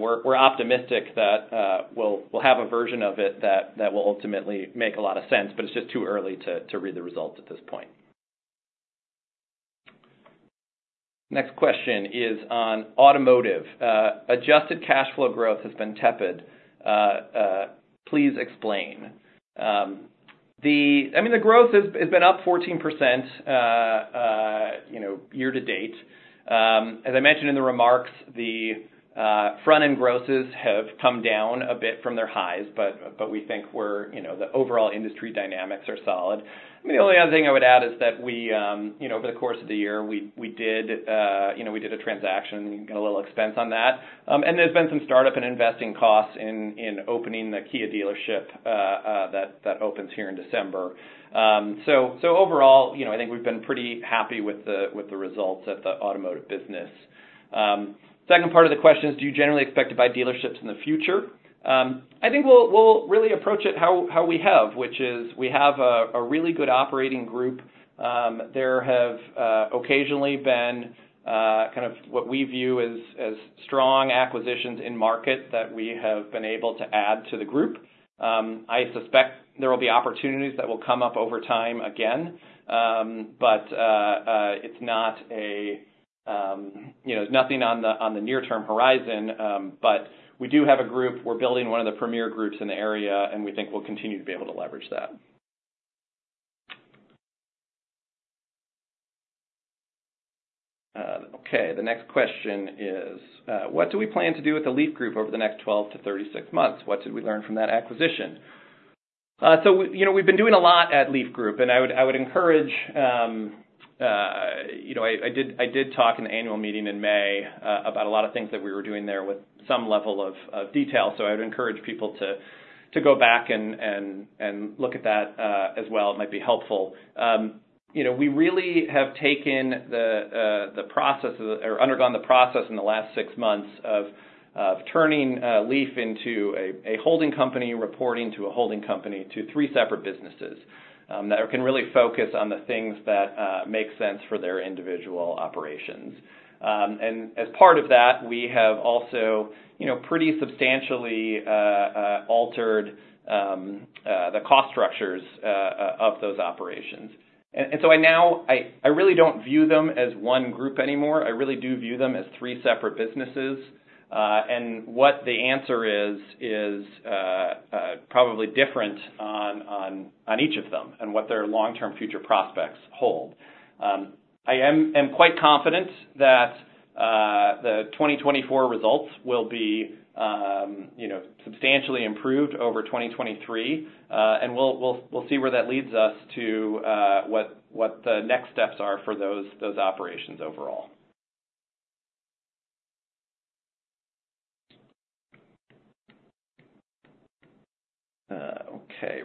We're optimistic that we'll have a version of it that will ultimately make a lot of sense, but it's just too early to read the results at this point. Next question is on Automotive. Adjusted cash flow growth has been tepid. Please explain. I mean, the growth has been up 14%, you know, year-to-date. As I mentioned in the remarks, the front-end grosses have come down a bit from their highs, but we think, you know, the overall industry dynamics are solid. I mean, the only other thing I would add is that we, you know, over the course of the year, we did a transaction, got a little expense on that. There's been some startup and investing costs in opening the Kia dealership that opens here in December. Overall, you know, I think we've been pretty happy with the results of the Automotive business. Second part of the question is, do you generally expect to buy dealerships in the future? I think we'll really approach it how we have, which is we have a really good operating group. There have occasionally been kind of what we view as strong acquisitions in market that we have been able to add to the group. I suspect there will be opportunities that will come up over time again, but it's not, you know, nothing on the near-term horizon, but we do have a group. We're building one of the premier groups in the area, and we think we'll continue to be able to leverage that. Okay, the next question is, what do we plan to do with the Leaf Group over the next 12 months-36 months? What did we learn from that acquisition? You know, we've been doing a lot at Leaf Group, and I would encourage you know. I did talk in the Annual Meeting in May about a lot of things that we were doing there with some level of detail, so I would encourage people to go back and look at that as well. It might be helpful. You know, we really have taken the process, or undergone the process in the last six months of turning Leaf into a holding company reporting to a holding company to three separate businesses that can really focus on the things that make sense for their individual operations. As part of that, we have also, you know, pretty substantially altered the cost structures of those operations. I now, I really don't view them as one group anymore. I really do view them as three separate businesses. What the answer is, is probably different on each of them and what their long-term future prospects hold. I am quite confident that the 2024 results will be, you know, substantially improved over 2023, and we'll see where that leads us to, what the next steps are for those operations overall. Okay.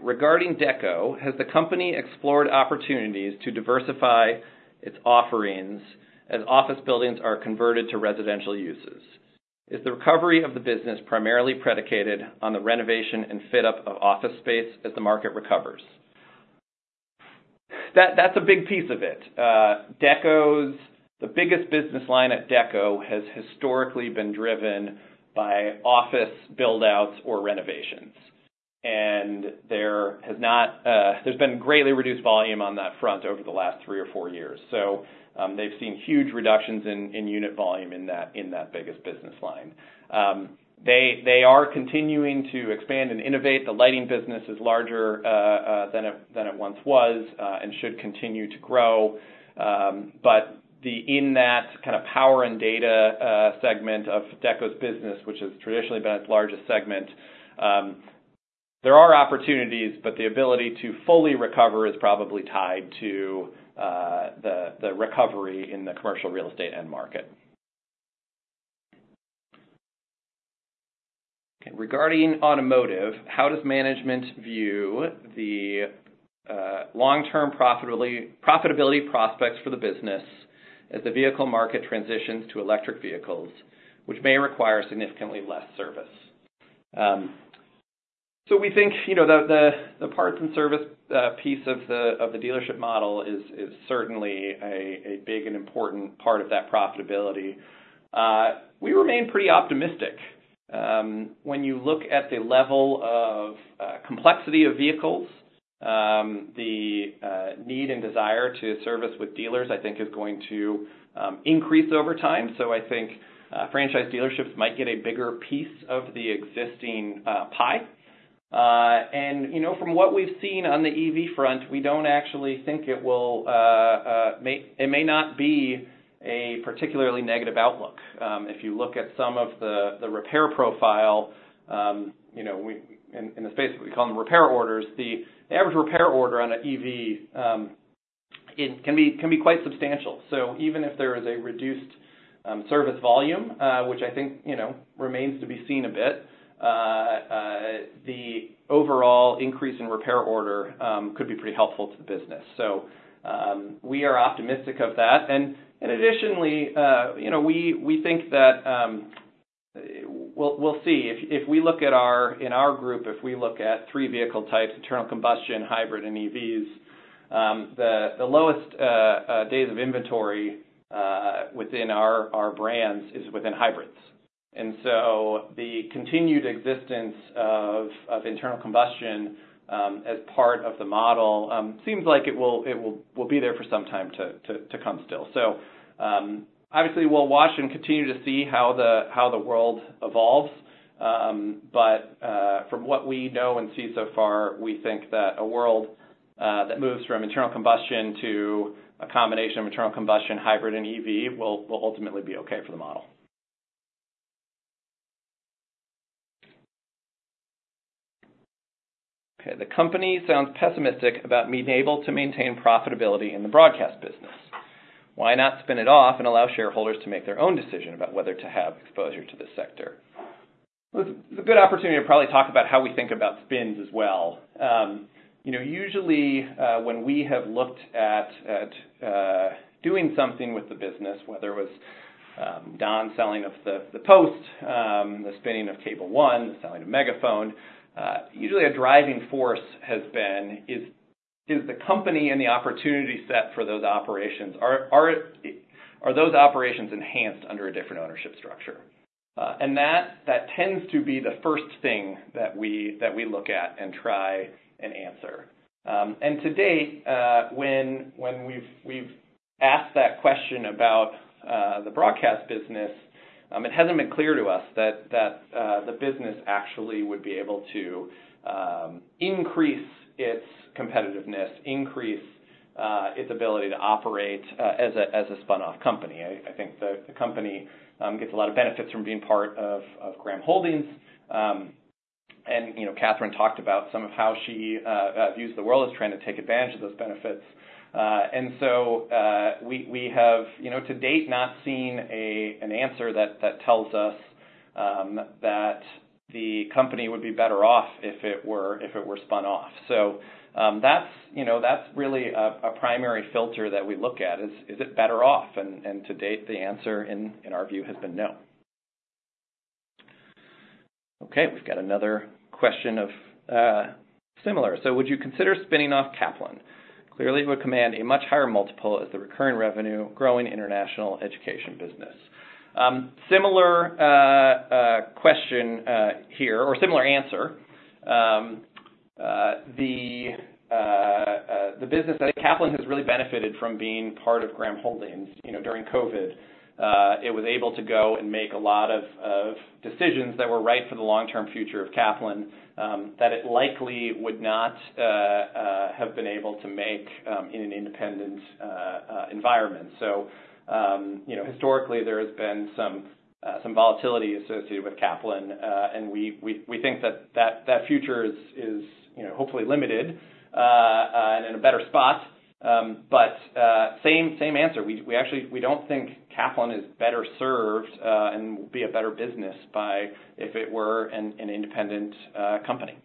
Regarding Dekko, has the company explored opportunities to diversify its offerings as office buildings are converted to residential uses? Is the recovery of the business primarily predicated on the renovation and fit-up of office space as the market recovers? That's a big piece of it. Dekko's the biggest business line at Dekko has historically been driven by office buildouts or renovations. There's been greatly reduced volume on that front over the last 3 or 4 years. They've seen huge reductions in unit volume in that biggest business line. They are continuing to expand and innovate. The lighting business is larger than it once was, and should continue to grow. In that kind of power and data segment of Dekko's business, which has traditionally been its largest segment, there are opportunities, but the ability to fully recover is probably tied to the recovery in the commercial real estate end market. Okay, regarding Automotive, how does management view the long-term profitability prospects for the business as the vehicle market transitions to electric vehicles, which may require significantly less service? We think, you know, the parts and service piece of the dealership model is certainly a big and important part of that profitability. We remain pretty optimistic. When you look at the level of complexity of vehicles, the need and desire to service with dealers, I think is going to increase over time. I think franchise dealerships might get a bigger piece of the existing pie. You know, from what we've seen on the EV front, we don't actually think it will make, it may not be a particularly negative outlook. If you look at some of the repair profile, you know, we in the space what we call repair orders, the average repair order on an EV, it can be quite substantial. Even if there is a reduced service volume, which I think, you know, remains to be seen a bit, the overall increase in repair order could be pretty helpful to the business. We are optimistic of that. Additionally, you know, we think that, we'll see. If we look at our group, if we look at three vehicle types, internal combustion, hybrid, and EVs, the lowest days of inventory within our brands is within hybrids. The continued existence of internal combustion as part of the model seems like it will be there for some time to come still. Obviously, we'll watch and continue to see how the world evolves. From what we know and see so far, we think that a world that moves from internal combustion to a combination of internal combustion, hybrid, and EV will ultimately be okay for the model. Okay. The company sounds pessimistic about being able to maintain profitability in the broadcast business. Why not spin it off and allow shareholders to make their own decision about whether to have exposure to this sector? Look, it's a good opportunity to probably talk about how we think about spins as well. You know, usually, when we have looked at doing something with the business, whether it was Don selling of the Post, the spinning of Cable One, the selling of Megaphone, usually a driving force has been the company and the opportunity set for those operations. Are those operations enhanced under a different ownership structure? That tends to be the first thing that we look at and try and answer. To date, when we've asked that question about the broadcast business, it hasn't been clear to us that the business actually would be able to increase its competitiveness, increase its ability to operate as a spun-off company. I think the company gets a lot of benefits from being part of Graham Holdings. You know, Catherine talked about some of how she views the world as trying to take advantage of those benefits. We have, you know, to date, not seen an answer that tells us that the company would be better off if it were spun off. That's, you know, that's really a primary filter that we look at, is it better off? To date, the answer, in our view, has been no. Okay, we've got another question similar. Would you consider spinning off Kaplan? Clearly, it would command a much higher multiple as the recurring revenue, growing international education business. Similar question here, or similar answer. The business that Kaplan has really benefited from being part of Graham Holdings, you know, during COVID. It was able to go and make a lot of decisions that were right for the long-term future of Kaplan, that it likely would not have been able to make in an independent environment. You know, historically, there has been some volatility associated with Kaplan, and we think that future is, you know, hopefully limited and in a better spot. Same answer. We actually don't think Kaplan is better served and will be a better business by, if it were an independent company.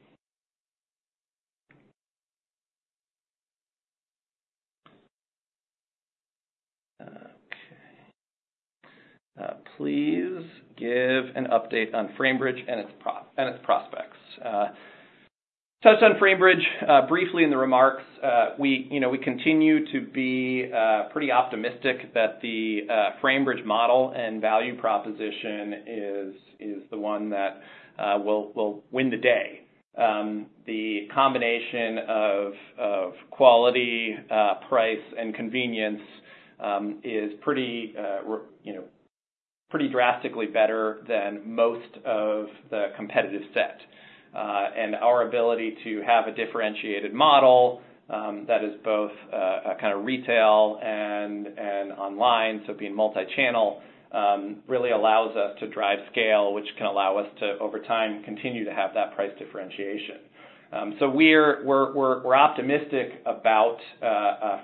Okay. Please give an update on Framebridge and its prospects. Touched on Framebridge briefly in the remarks. You know, we continue to be pretty optimistic that the Framebridge model and value proposition is the one that will win the day. The combination of quality, price, and convenience is pretty, you know, pretty drastically better than most of the competitive set. Our ability to have a differentiated model that is both a kind of retail and online, so being multi-channel, really allows us to drive scale, which can allow us to, over time, continue to have that price differentiation. We're optimistic about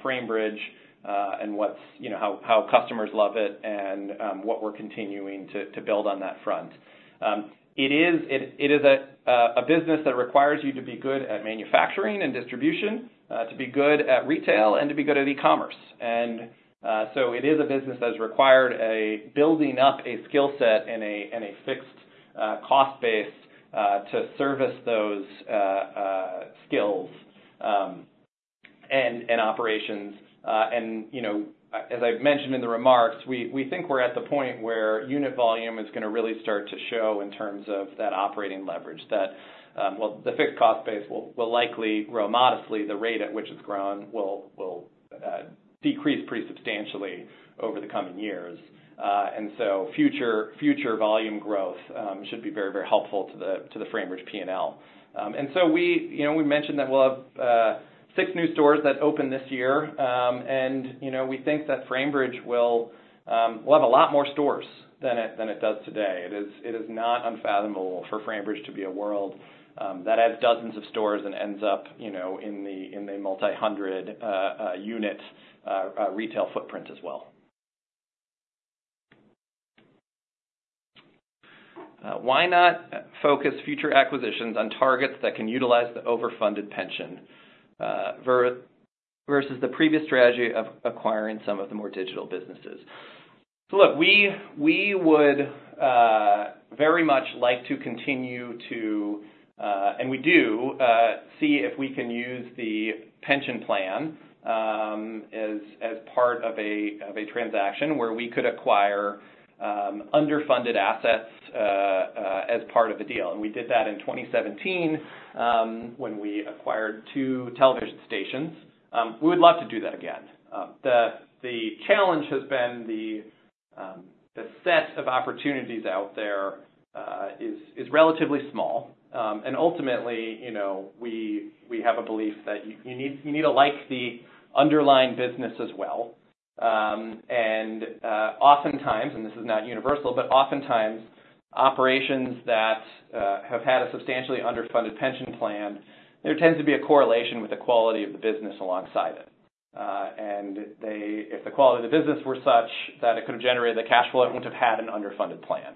Framebridge and what's, you know, how customers love it and what we're continuing to build on that front. It is a business that requires you to be good at manufacturing and distribution, to be good at retail, and to be good at e-commerce. It is a business that has required building up a skill set and a fixed cost base to service those skills and operations. You know, as I've mentioned in the remarks, we think we're at the point where unit volume is gonna really start to show in terms of that operating leverage, that well, the fixed cost base will likely grow modestly. The rate at which it's grown will decrease pretty substantially over the coming years. Future volume growth should be very helpful to the Framebridge P&L. We, you know, we mentioned that we'll have 6 new stores that open this year. You know, we think that Framebridge will have a lot more stores than it does today. It is not unfathomable for Framebridge to be a world that has dozens of stores and ends up, you know, in the multi-hundred unit retail footprint as well. Why not focus future acquisitions on targets that can utilize the overfunded pension versus the previous strategy of acquiring some of the more digital businesses? Look, we would very much like to continue to, and we do see if we can use the pension plan as part of a transaction where we could acquire underfunded assets as part of the deal. We did that in 2017 when we acquired two television stations. We would love to do that again. The challenge has been the set of opportunities out there is relatively small. Ultimately, you know, we have a belief that you need to like the underlying business as well. Oftentimes, and this is not universal, but oftentimes, operations that have had a substantially underfunded pension plan, there tends to be a correlation with the quality of the business alongside it. They, if the quality of the business were such that it could have generated the cash flow, it wouldn't have had an underfunded plan.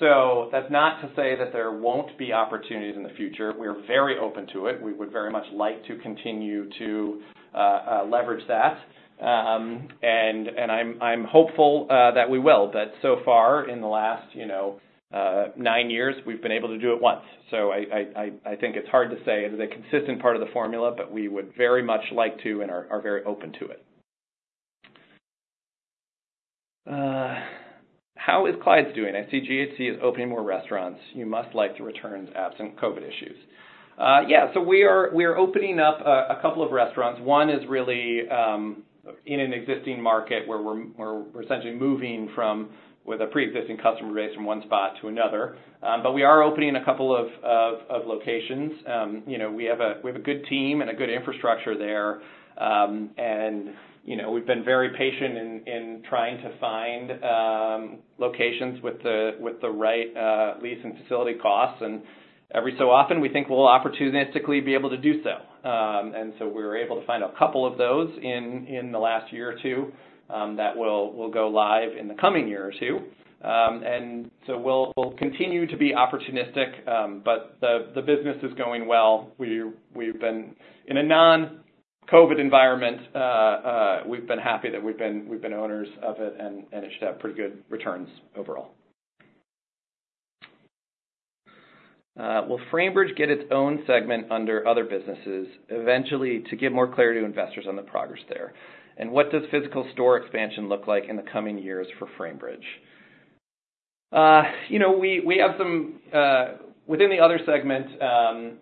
That's not to say that there won't be opportunities in the future. We're very open to it. We would very much like to continue to leverage that. I'm hopeful that we will, but so far, in the last, you know, nine years, we've been able to do it once. I think it's hard to say, is it a consistent part of the formula, but we would very much like to and are very open to it. How is Clyde's doing? I see GHC is opening more restaurants. You must like the returns absent COVID issues. Yeah, so we are opening up a couple of restaurants. One is really in an existing market where we're essentially moving from with a pre-existing customer base from one spot to another. We are opening a couple of locations. You know, we have a good team and a good infrastructure there. You know, we've been very patient in trying to find locations with the right lease and facility costs, and every so often, we think we'll opportunistically be able to do so. We were able to find a couple of those in the last year or two that will go live in the coming year or two. We'll continue to be opportunistic, but the business is going well. We've been in a non-COVID environment, we've been happy that we've been owners of it, and it should have pretty good returns overall. Will Framebridge get its own segment under Other Businesses eventually to give more clarity to investors on the progress there? What does physical store expansion look like in the coming years for Framebridge? You know, we have some within the other segment,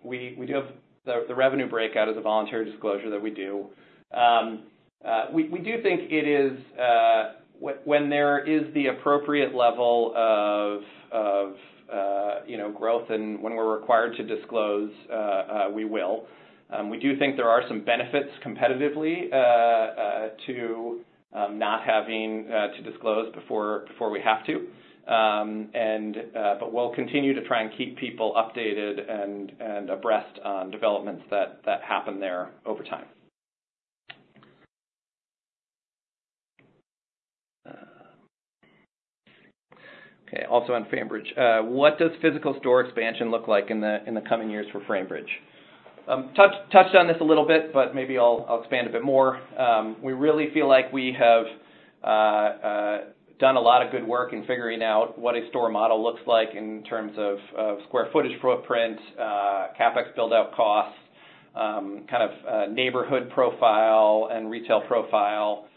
we do have the revenue breakout as a voluntary disclosure that we do. We do think it is, when there is the appropriate level of, you know, growth and when we're required to disclose, we will. We do think there are some benefits competitively, to not having to disclose before we have to. We'll continue to try and keep people updated and abreast on developments that happen there over time. Okay, also on Framebridge, what does physical store expansion look like in the coming years for Framebridge? Touched on this a little bit, but maybe I'll expand a bit more. We really feel like we have done a lot of good work in figuring out what a store model looks like in terms of square footage footprint, CapEx build-out costs, kind of neighborhood profile and retail profile.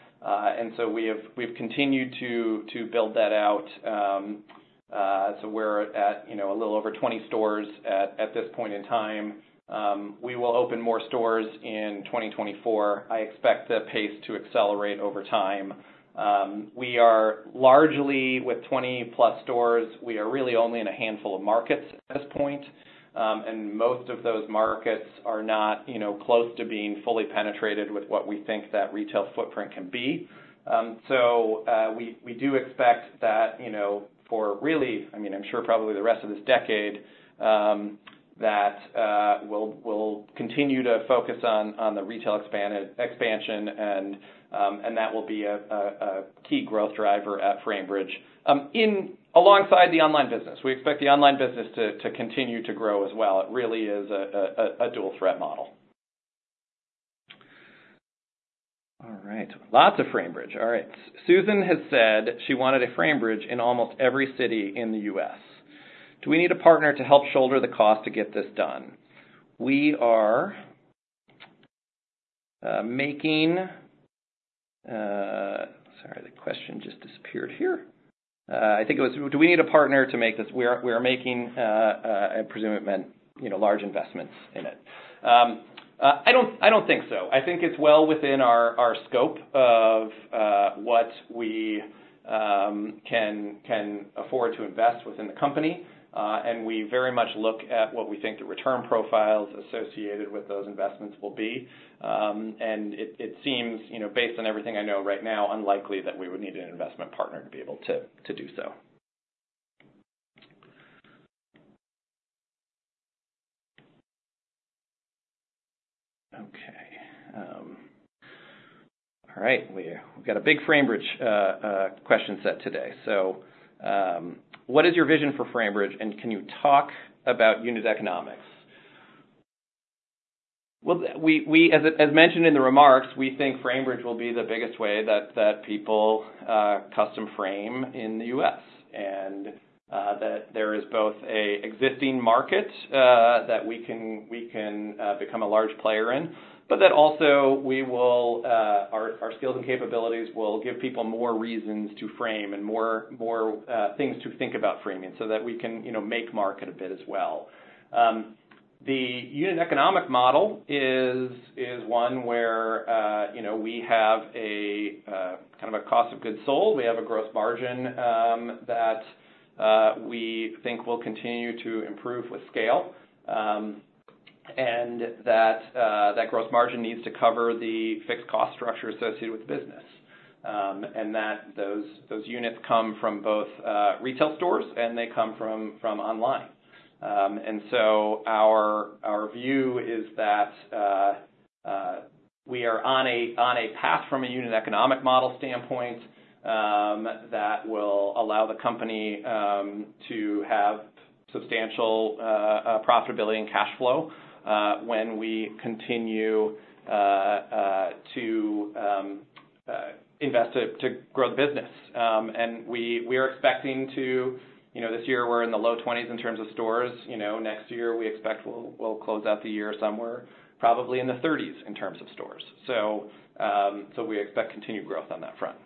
We've continued to build that out. We're at, you know, a little over 20 stores at this point in time. We will open more stores in 2024. I expect the pace to accelerate over time. We are largely with 20+ stores. We are really only in a handful of markets at this point, and most of those markets are not, you know, close to being fully penetrated with what we think that retail footprint can be. We do expect that, you know, for really, I mean, I'm sure probably the rest of this decade, that we'll continue to focus on the retail expansion, and that will be a key growth driver at Framebridge. In alongside the online business, we expect the online business to continue to grow as well. It really is a dual-threat model. All right. Lots of Framebridge. All right. Susan has said she wanted a Framebridge in almost every city in the U.S. Do we need a partner to help shoulder the cost to get this done? We are making, sorry, the question just disappeared here. I think it was, do we need a partner to make this? We are making, I presume it meant, you know, large investments in it. I don't think so. I think it's well within our scope of what we can afford to invest within the company, and we very much look at what we think the return profiles associated with those investments will be. It seems, you know, based on everything I know right now, unlikely that we would need an investment partner to be able to do so. Okay. All right. We've got a big Framebridge question set today. What is your vision for Framebridge, and can you talk about unit economics? Well, as mentioned in the remarks, we think Framebridge will be the biggest way that people custom frame in the U.S. That there is both an existing market that we can become a large player in, but that also we will our skills and capabilities will give people more reasons to frame and more things to think about framing. That we can, you know, make market a bit as well. The unit economic model is one where, you know, we have a kind of a cost of goods sold. We have a gross margin that we think will continue to improve with scale. That gross margin needs to cover the fixed cost structure associated with the business. Those units come from both retail stores, and they come from online. Our view is that we are on a path from a unit economic model standpoint that will allow the company to have substantial profitability and cash flow when we continue to invest to grow the business. We are expecting to, you know, this year we're in the low 20s in terms of stores. You know, next year, we expect we'll close out the year somewhere probably in the 30s in terms of stores. We expect continued growth on that front.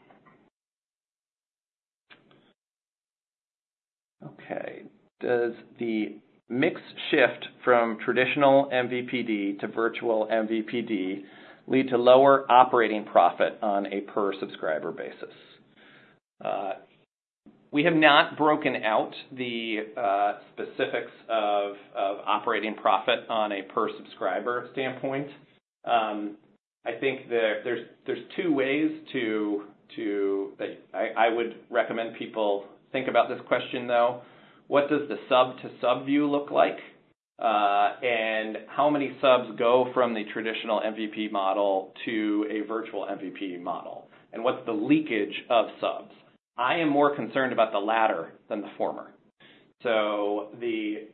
Okay. Does the mix shift from traditional MVPD to virtual MVPD lead to lower operating profit on a per subscriber basis? We have not broken out the specifics of operating profit on a per subscriber standpoint. I think there's two ways to that I would recommend people think about this question, though. What does the sub to sub view look like? How many subs go from the traditional MVPD model to a virtual MVPD model? What's the leakage of subs? I am more concerned about the latter than the former. The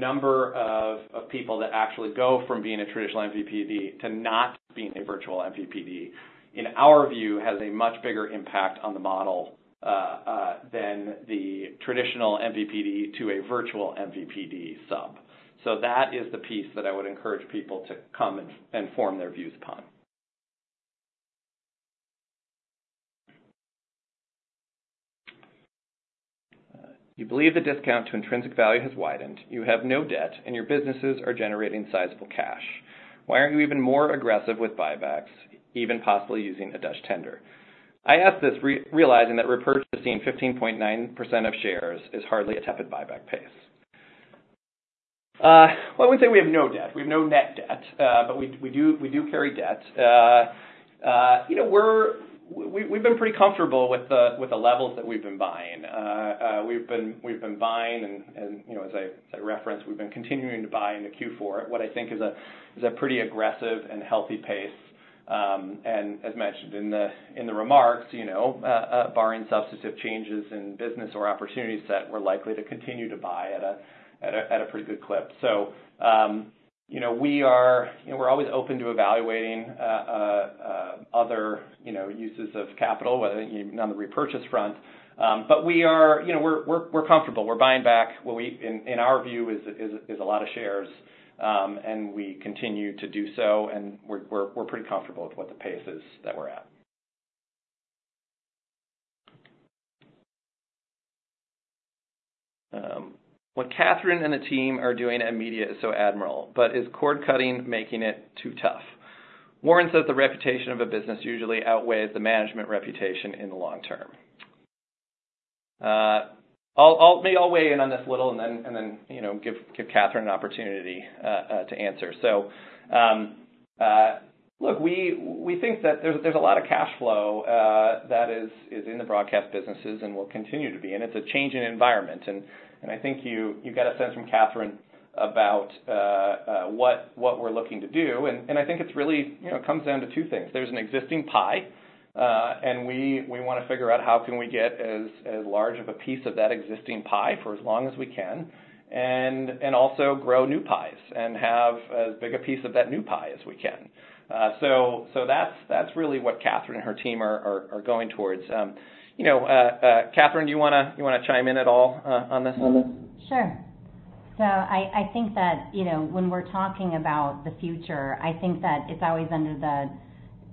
number of people that actually go from being a traditional MVPD to not being a virtual MVPD, in our view, has a much bigger impact on the model than the traditional MVPD to a virtual MVPD sub. That is the piece that I would encourage people to come and form their views upon. You believe the discount to intrinsic value has widened, you have no debt, and your businesses are generating sizable cash. Why aren't you even more aggressive with buybacks, even possibly using a Dutch tender? I ask this realizing that repurchasing 15.9% of shares is hardly a tepid buyback pace. Well, I wouldn't say we have no debt. We have no net debt, but we do carry debt. You know, we're we've been pretty comfortable with the levels that we've been buying. We've been buying, and you know, as I referenced, we've been continuing to buy into Q4, what I think is a pretty aggressive and healthy pace. As mentioned in the remarks, you know, barring substantive changes in business or opportunities that we're likely to continue to buy at a pretty good clip. You know, we are, you know, we're always open to evaluating other, you know, uses of capital, whether on the repurchase front. We are, you know, we're comfortable. We're buying back what we, in our view, is a lot of shares, and we continue to do so, and we're pretty comfortable with what the pace is that we're at. What Catherine and the team are doing at Media is so admirable, but is cord-cutting making it too tough? Warren says, "The reputation of a business usually outweighs the management reputation in the long term." I'll maybe weigh in on this a little and then, you know, give Catherine an opportunity to answer. Look, we think that there's a lot of cash flow that is in the broadcast businesses and will continue to be, and it's a changing environment. I think you get a sense from Catherine about what we're looking to do, and I think it's really, you know, comes down to two things. There's an existing pie, and we wanna figure out how can we get as large of a piece of that existing pie for as long as we can, and also grow new pies and have as big a piece of that new pie as we can. That's really what Catherine and her team are going towards. You know, Catherine, do you wanna chime in at all, on this one? Sure. I think that, you know, when we're talking about the future, I think that it's always under the,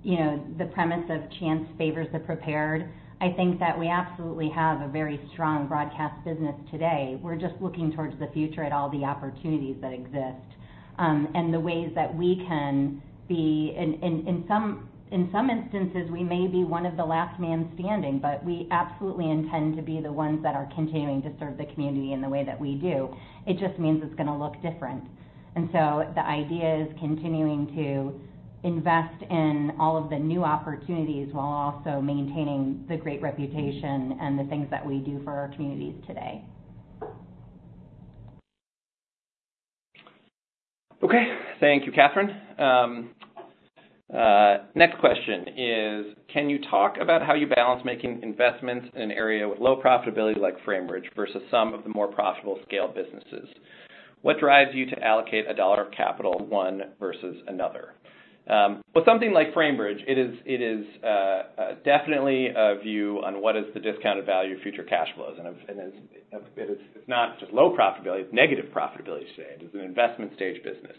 you know, the premise of chance favors the prepared. I think that we absolutely have a very strong broadcast business today. We're just looking towards the future at all the opportunities that exist, and the ways that we can be, in some instances, we may be one of the last man standing, but we absolutely intend to be the ones that are continuing to serve the community in the way that we do. It just means it's gonna look different. The idea is continuing to invest in all of the new opportunities while also maintaining the great reputation and the things that we do for our communities today. Okay. Thank you, Catherine. Next question is, can you talk about how you balance making investments in an area with low profitability like Framebridge versus some of the more profitable scale businesses? What drives you to allocate a dollar of capital, one versus another? With something like Framebridge, it is definitely a view on what is the discounted value of future cash flows. It's not just low profitability, it's negative profitability today. It is an investment stage business.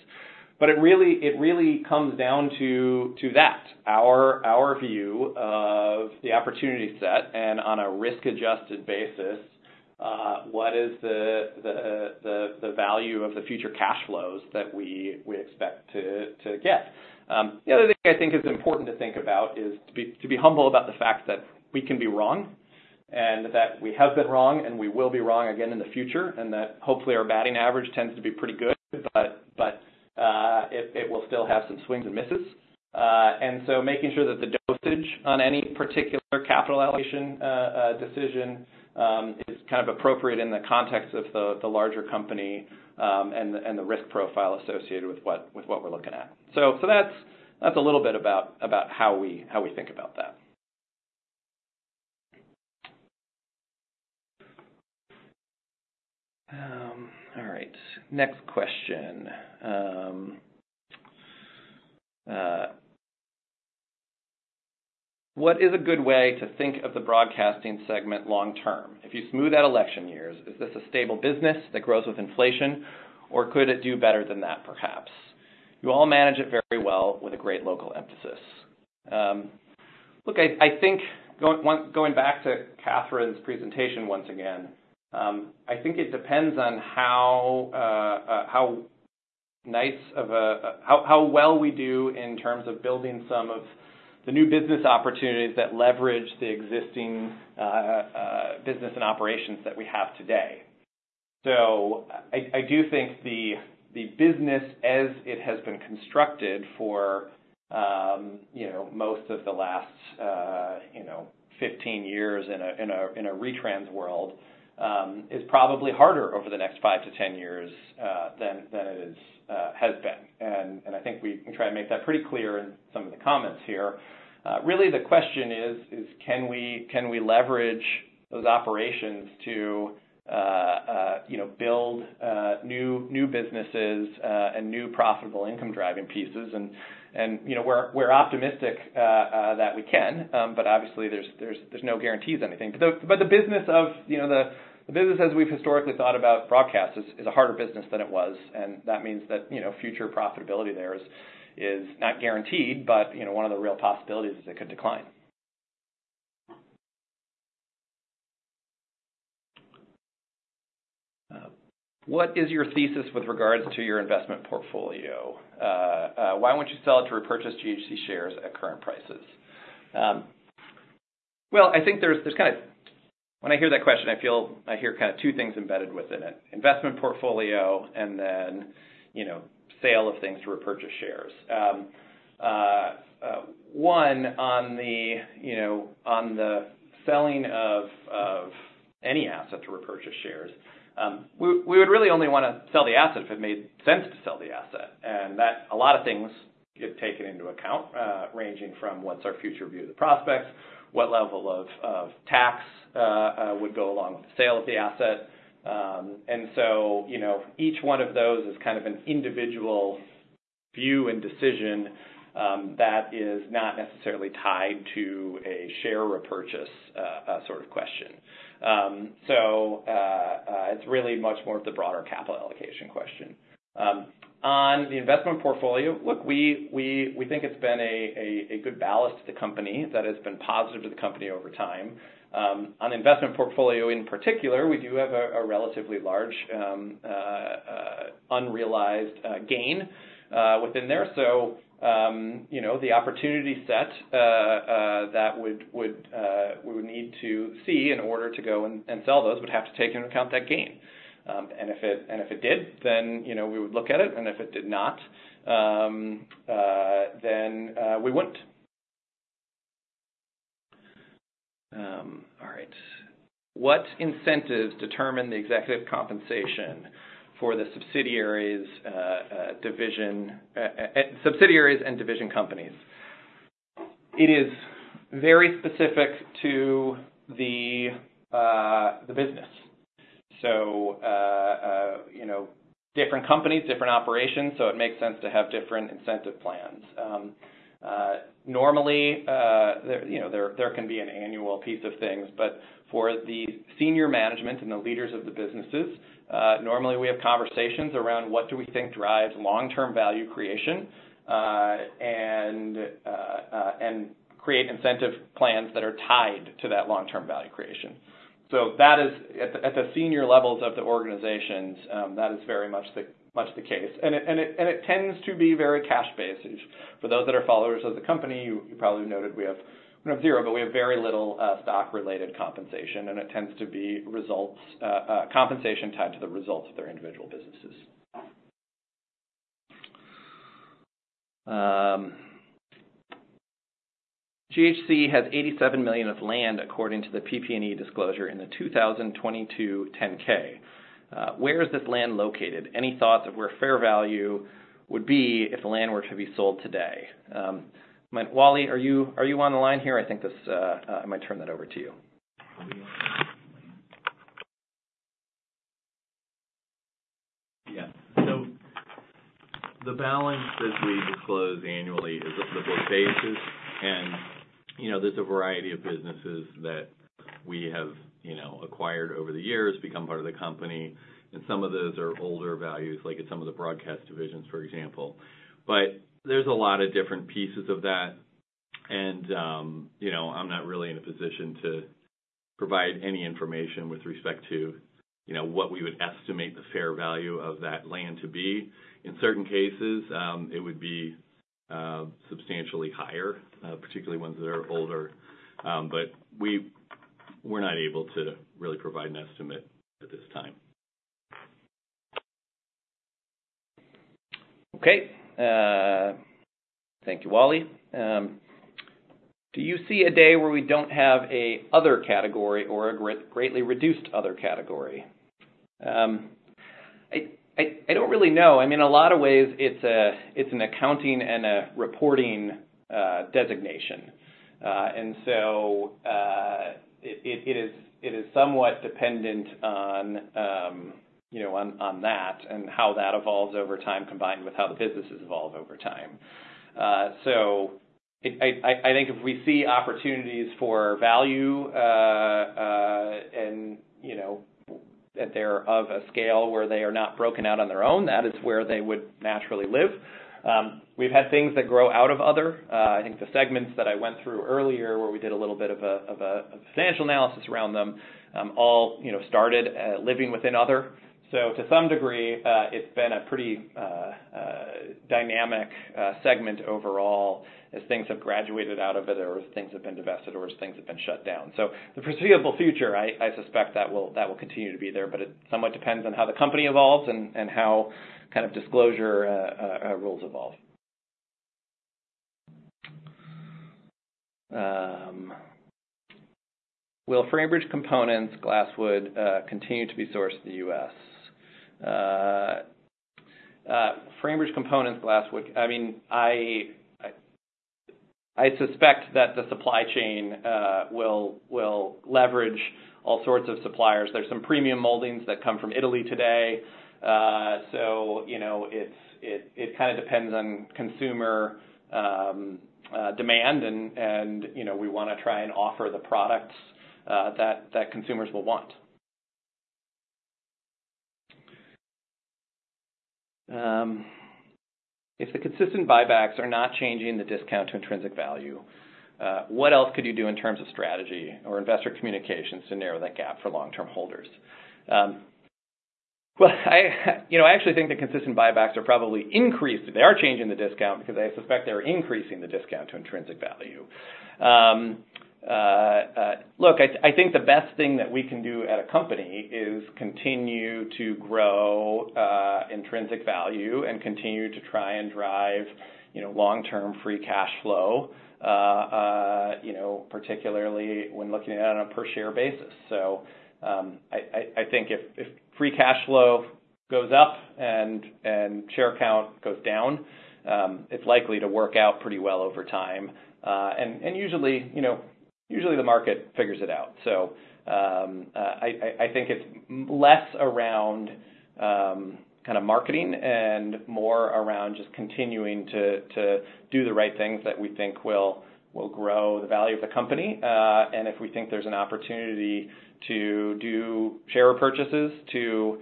It really comes down to that. Our view of the opportunity set, and on a risk-adjusted basis, what is the value of the future cash flows that we expect to get? The other thing I think is important to think about is to be humble about the fact that we can be wrong, and that we have been wrong, and we will be wrong again in the future, and that hopefully, our batting average tends to be pretty good, but it will still have some swings and misses. Making sure that the dosage on any particular capital allocation decision is kind of appropriate in the context of the larger company, and the risk profile associated with what we're looking at. That's a little bit about how we think about that. All right, next question. What is a good way to think of the Broadcasting segment long term? If you smooth out election years, is this a stable business that grows with inflation, or could it do better than that, perhaps? You all manage it very well with a great local emphasis. Look, I think going back to Catherine's presentation once again, I think it depends on how well we do in terms of building some of the new business opportunities that leverage the existing business and operations that we have today. I do think the business, as it has been constructed for, you know, most of the last 15 years in a retrans world, is probably harder over the next 5 years-10 years than it has been. I think we can try to make that pretty clear in some of the comments here. Really, the question is, can we leverage those operations to, you know, build new businesses and new profitable income-driving pieces? we're optimistic that we can, but obviously there's no guarantee of anything. The business of, you know, the business, as we've historically thought about broadcast, is a harder business than it was, and that means that, you know, future profitability there is not guaranteed. You know, one of the real possibilities is it could decline. What is your thesis with regards to your investment portfolio? Why won't you sell it to repurchase GHC shares at current prices? Well, I think there's kind of When I hear that question, I feel I hear kind of two things embedded within it, investment portfolio and then, you know, sale of things to repurchase shares. One, on the, you know, on the selling of any asset to repurchase shares, we would really only wanna sell the asset if it made sense to sell the asset. That a lot of things get taken into account, ranging from what's our future view of the prospects, what level of tax would go along with the sale of the asset. You know, each one of those is kind of an individual view and decision, that is not necessarily tied to a share repurchase sort of question. It's really much more of the broader capital allocation question. On the investment portfolio, look, we think it's been a good balance to the company that has been positive to the company over time. On investment portfolio in particular, we do have a relatively large unrealized gain within there. You know, the opportunity set that we would need to see in order to go and sell those would have to take into account that gain. If it did, then, you know, we would look at it, and if it did not, then we wouldn't. All right. What incentives determine the executive compensation for the subsidiaries division subsidiaries and division companies? It is very specific to the business. You know, different companies, different operations, so it makes sense to have different incentive plans. Normally, you know, there can be an annual piece of things, but for the senior management and the leaders of the businesses, normally we have conversations around what do we think drives long-term value creation, and create incentive plans that are tied to that long-term value creation. That is at the senior levels of the organizations, that is very much the case. It tends to be very cash based. For those that are followers of the company, you probably noted we have zero, but we have very little stock-related compensation, and it tends to be results compensation tied to the results of their individual businesses. GHC has $87 million of land, according to the PP&E disclosure in the 2022 10-K. Where is this land located? Any thoughts of where fair value would be if the land were to be sold today? Wally, are you on the line here? I think I might turn that over to you. Yeah. The balance that we disclose annually. You know, there's a variety of businesses that we have, you know, acquired over the years, become part of the company, and some of those are older values, like in some of the broadcast divisions, for example. There's a lot of different pieces of that, and, you know, I'm not really in a position to provide any information with respect to, you know, what we would estimate the fair value of that land to be. In certain cases, it would be substantially higher, particularly ones that are older. We're not able to really provide an estimate at this time. Okay, thank you, Wally. Do you see a day where we don't have an other category or a greatly reduced other category? I don't really know. I mean, in a lot of ways, it's an accounting and a reporting designation. It is somewhat dependent on, you know, on that and how that evolves over time, combined with how the businesses evolve over time. I think if we see opportunities for value, and, you know, that they're of a scale where they are not broken out on their own, that is where they would naturally live. We've had things that grow out of other. I think the segments that I went through earlier, where we did a little bit of financial analysis around them, all, you know, started living within other. To some degree, it's been a pretty dynamic segment overall as things have graduated out of it, or as things have been divested, or as things have been shut down. The foreseeable future, I suspect that will continue to be there, but it somewhat depends on how the company evolves and how kind of disclosure rules evolve. Will Framebridge components glass, wood continue to be sourced in the U.S.? Framebridge components glass, wood. I mean, I suspect that the supply chain will leverage all sorts of suppliers. There's some premium moldings that come from Italy today. You know, it's kind of depends on consumer demand and, you know, we wanna try and offer the products that consumers will want. If the consistent buybacks are not changing the discount to intrinsic value, what else could you do in terms of strategy or investor communications to narrow that gap for long-term holders? Well, you know, I actually think the consistent buybacks are probably increased. They are changing the discount because I suspect they are increasing the discount to intrinsic value. Look, I think the best thing that we can do at a company is continue to grow intrinsic value and continue to try and drive, you know, long-term free cash flow, you know, particularly when looking at it on a per-share basis. I think if free cash flow goes up and share count goes down, it's likely to work out pretty well over time. Usually, you know, usually the market figures it out. I think it's less around kind of marketing and more around just continuing to do the right things that we think will grow the value of the company. If we think there's an opportunity to do share purchases to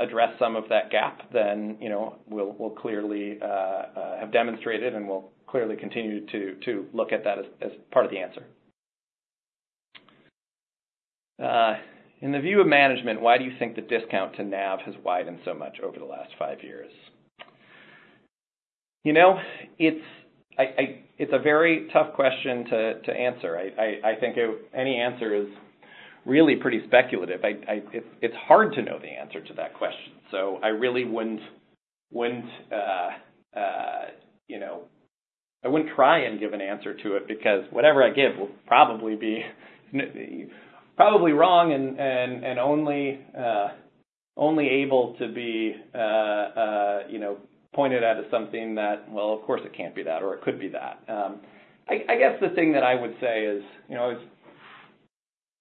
address some of that gap, then, you know, we'll, we'll clearly have demonstrated and will clearly continue to look at that as part of the answer. In the view of management, why do you think the discount to NAV has widened so much over the last five years? You know, it's a very tough question to answer. I think it any answer is really pretty speculative. It's hard to know the answer to that question, so I really wouldn't, you know, I wouldn't try and give an answer to it. Because whatever I give will probably be wrong and only able to be, you know, pointed out as something that, "Well, of course, it can't be that," or, "It could be that." I guess the thing that I would say is, you know,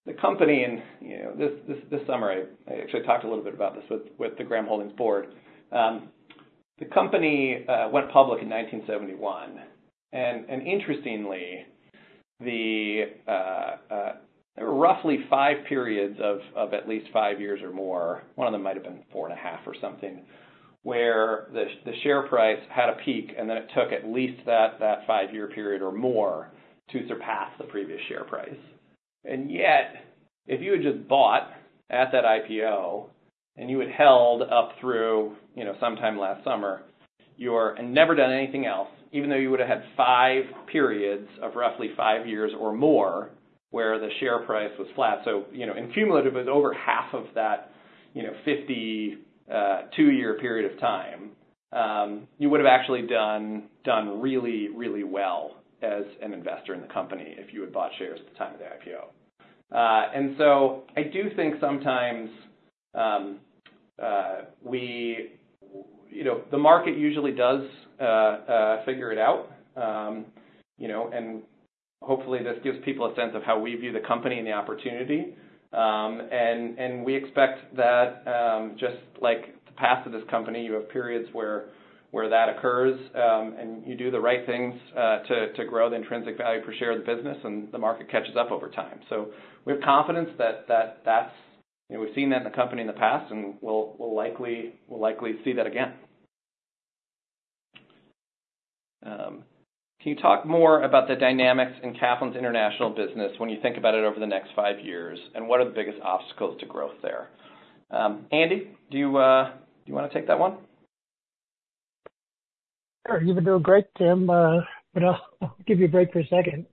the company and, you know, this summer, I actually talked a little bit about this with the Graham Holdings board. The company went public in 1971, and interestingly, roughly five periods of at least five years or more, one of them might have been four and a half or something, where the share price had a peak, and then it took at least that five-year period or more to surpass the previous share price. Yet, if you had just bought at that IPO, and you had held up through, you know, sometime last summer, and never done anything else, even though you would've had five periods of roughly five years or more where the share price was flat. You know, and cumulative was over half of that, you know, 52-year period of time, you would have actually done really, really well as an investor in the company if you had bought shares at the time of the IPO. I do think sometimes, you know, the market usually does figure it out. You know, hopefully, this gives people a sense of how we view the company and the opportunity. We expect that, just like the past of this company, you have periods where that occurs, and you do the right things to grow the intrinsic value per share of the business, and the market catches up over time. We have confidence that that's, you know, we've seen that in the company in the past, and we'll likely see that again. Can you talk more about the dynamics in Kaplan's international business when you think about it over the next five years? What are the biggest obstacles to growth there? Andy, do you wanna take that one? Sure. You were doing great, Tim, but I'll give you a break for a second.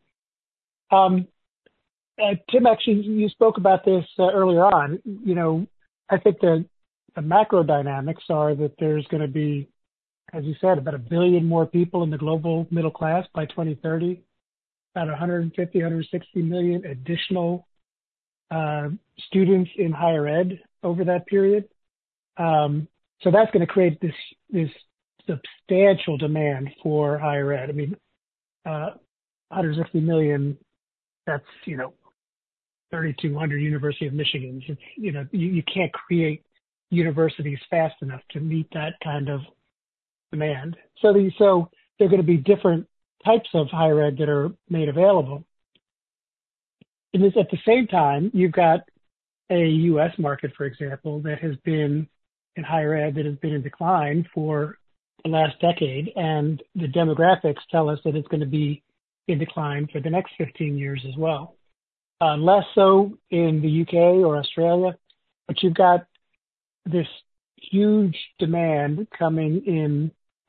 Tim, actually, you spoke about this earlier on. You know, I think the macro dynamics are that there's gonna be, as you said, about 1 billion more people in the global middle class by 2030, about 150 million-160 million additional students in higher ed over that period. That's gonna create this substantial demand for higher ed. I mean, 160 million, that's, you know, 3,200 University of Michigan. You know, you can't create universities fast enough to meet that kind of demand. There are gonna be different types of higher ed that are made available. At the same time, you've got a U.S. market, for example, that has been in higher ed, that has been in decline for the last decade, and the demographics tell us that it's gonna be in decline for the next 15 years as well. Less so in the U.K. or Australia, but you've got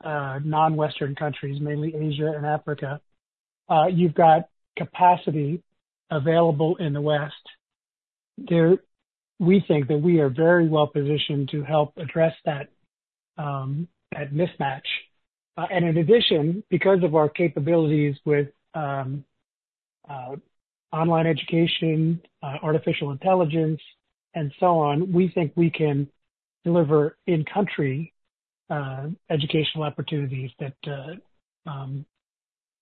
this huge demand coming in, non-Western countries, mainly Asia and Africa. You've got capacity available in the West. We think that we are very well positioned to help address that, that mismatch. In addition, because of our capabilities with online education, artificial intelligence, and so on, we think we can deliver in-country educational opportunities that,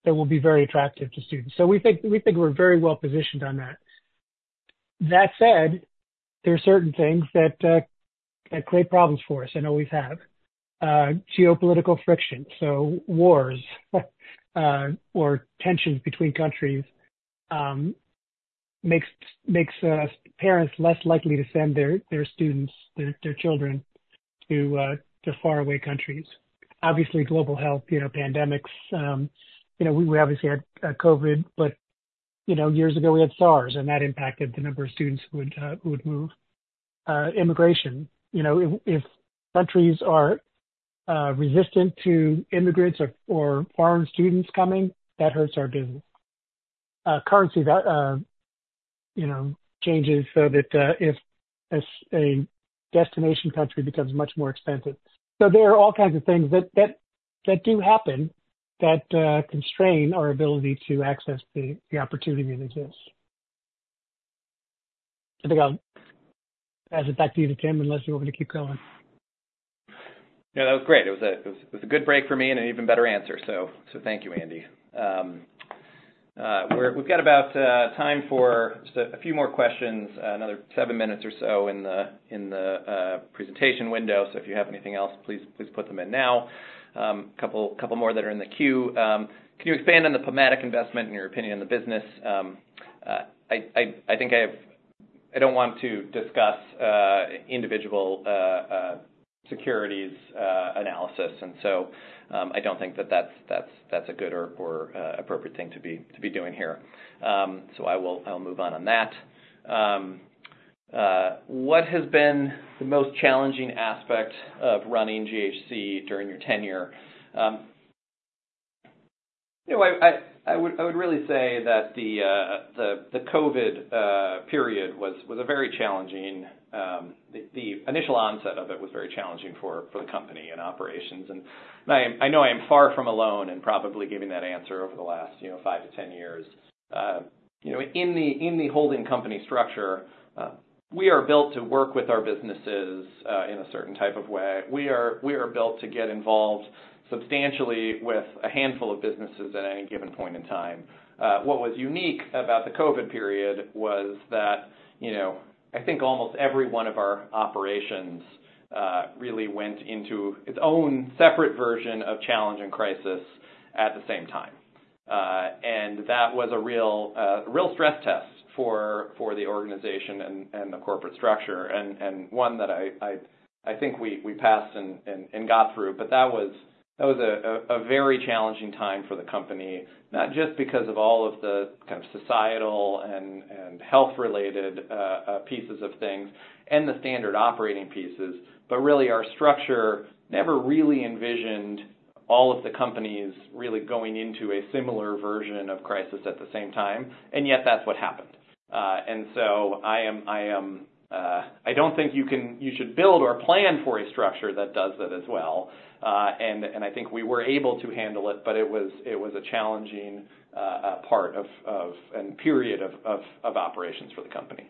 that will be very attractive to students. We think, we think we're very well positioned on that. That said, there are certain things that create problems for us and always have. Geopolitical friction, so wars or tensions between countries, makes parents less likely to send their students, their children to faraway countries. Obviously, global health, you know, pandemics. You know, we obviously had COVID, but you know, years ago we had SARS, and that impacted the number of students who would move. Immigration. You know, if countries are resistant to immigrants or foreign students coming, that hurts our business. Currency that you know, changes so that if a destination country becomes much more expensive. There are all kinds of things that do happen that constrain our ability to access the opportunity that exists. I think I'll pass it back to you, Tim, unless you want me to keep going. Yeah, that was great. It was a good break for me and an even better answer. Thank you, Andy. We've got time for just a few more questions, another seven minutes or so in the presentation window. If you have anything else, please, please put them in now. Couple more that are in the queue. Can you expand on the PubMatic investment and your opinion on the business? I think I don't want to discuss individual securities analysis, and so I don't think that's a good or appropriate thing to be doing here. I'll move on that. What has been the most challenging aspect of running GHC during your tenure? You know, I would really say that the COVID period was a very challenging. The initial onset of it was very challenging for the company and operations. I know I am far from alone in probably giving that answer over the last, you know, 5 years-10 years. You know, in the holding company structure, we are built to work with our businesses in a certain type of way. We are built to get involved substantially with a handful of businesses at any given point in time. What was unique about the COVID period was that, you know, I think almost every one of our operations really went into its own separate version of challenge and crisis at the same time. That was a real real stress test for the organization and the corporate structure, and one that I think we passed and got through. That was a very challenging time for the company, not just because of all of the kind of societal and health-related pieces of things and the standard operating pieces, but really our structure never really envisioned all of the companies really going into a similar version of crisis at the same time, and yet that's what happened. I am, I don't think you can, you should build or plan for a structure that does that as well. I think we were able to handle it, but it was a challenging part of, and period of operations for the company.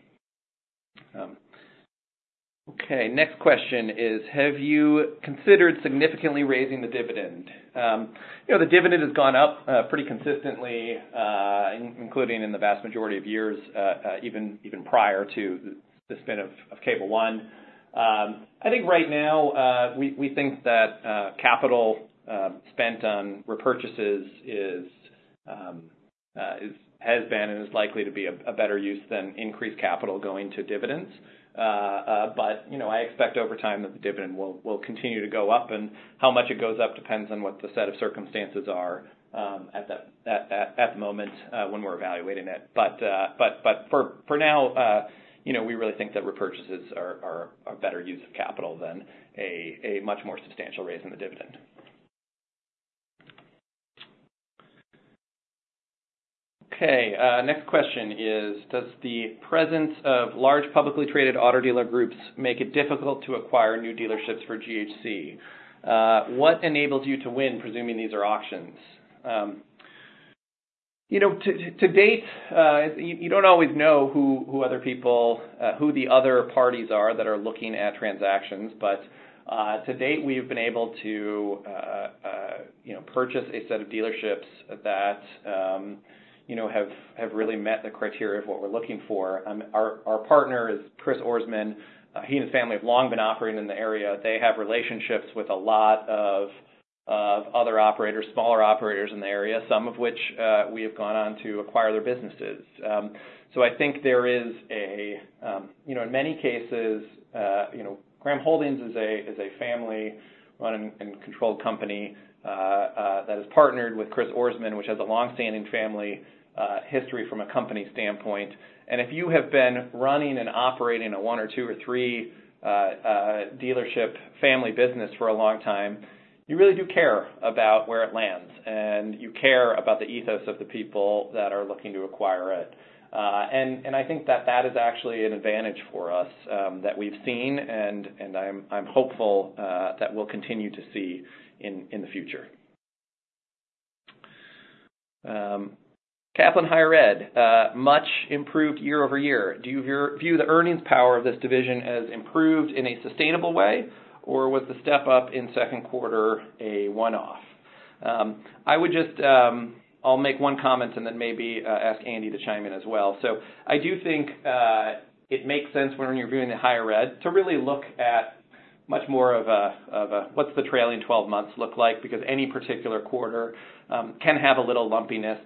Okay, next question is: Have you considered significantly raising the dividend? You know, the dividend has gone up pretty consistently, including in the vast majority of years, even prior to the spin of Cable One. I think right now, we think that capital spent on repurchases is has been and is likely to be a better use than increased capital going to dividends. You know, I expect over time that the dividend will continue to go up, and how much it goes up depends on what the set of circumstances are at that moment when we're evaluating it. For now, you know, we really think that repurchases are a better use of capital than a much more substantial raise in the dividend. Okay, next question is: Does the presence of large publicly traded auto dealer groups make it difficult to acquire new dealerships for GHC? What enables you to win, presuming these are auctions? You know, to date, you don't always know who the other people, who the other parties are that are looking at transactions. To date, we've been able to, you know, purchase a set of dealerships that, you know, have really met the criteria of what we're looking for. Our partner is Chris Ourisman. He and his family have long been operating in the area. They have relationships with a lot of other operators, smaller operators in the area, some of which we have gone on to acquire their businesses. I think there is a, you know, in many cases, you know, Graham Holdings is a family-run and controlled company that is partnered with Chris Ourisman, which has a long-standing family history from a company standpoint. If you have been running and operating a one or two or three dealership family business for a long time, you really do care about where it lands, and you care about the ethos of the people that are looking to acquire it. I think that that is actually an advantage for us, that we've seen, and I'm hopeful that we'll continue to see in the future. Kaplan Higher Ed much improved year-over-year. Do you view the earnings power of this division as improved in a sustainable way, or was the step up in second quarter a one-off? I would just, I'll make one comment and then maybe ask Andy to chime in as well. I do think it makes sense when you're viewing the higher ed to really look at much more of a, what's the trailing 12 months look like, because any particular quarter can have a little lumpiness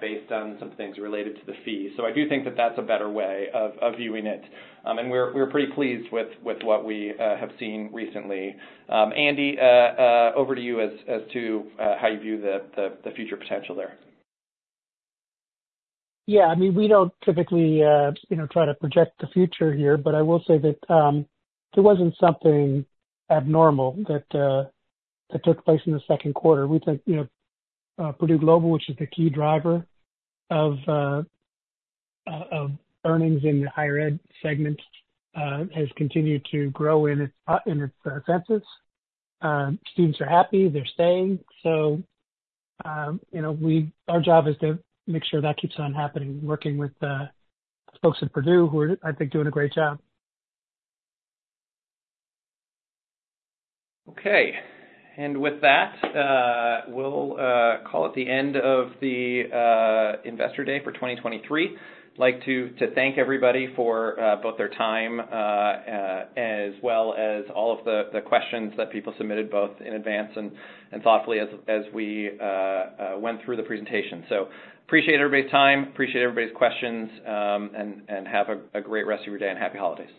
based on some things related to the fees. I do think that that's a better way of viewing it. We're pretty pleased with what we have seen recently. Andy, over to you as to how you view the future potential there? Yeah, I mean, we don't typically, you know, try to project the future here, but I will say that there wasn't something abnormal that took place in the second quarter. We think, you know, Purdue Global, which is the key driver of earnings in the higher ed segment, has continued to grow in its census. Students are happy, they're staying. You know, our job is to make sure that keeps on happening, working with the folks at Purdue who are, I think, doing a great job. Okay, and with that, we'll call it the end of the Investor Day for 2023. I'd like to thank everybody for both their time as well as all of the questions that people submitted, both in advance and thoughtfully as we went through the presentation. Appreciate everybody's time, appreciate everybody's questions, and have a great rest of your day, and happy holidays.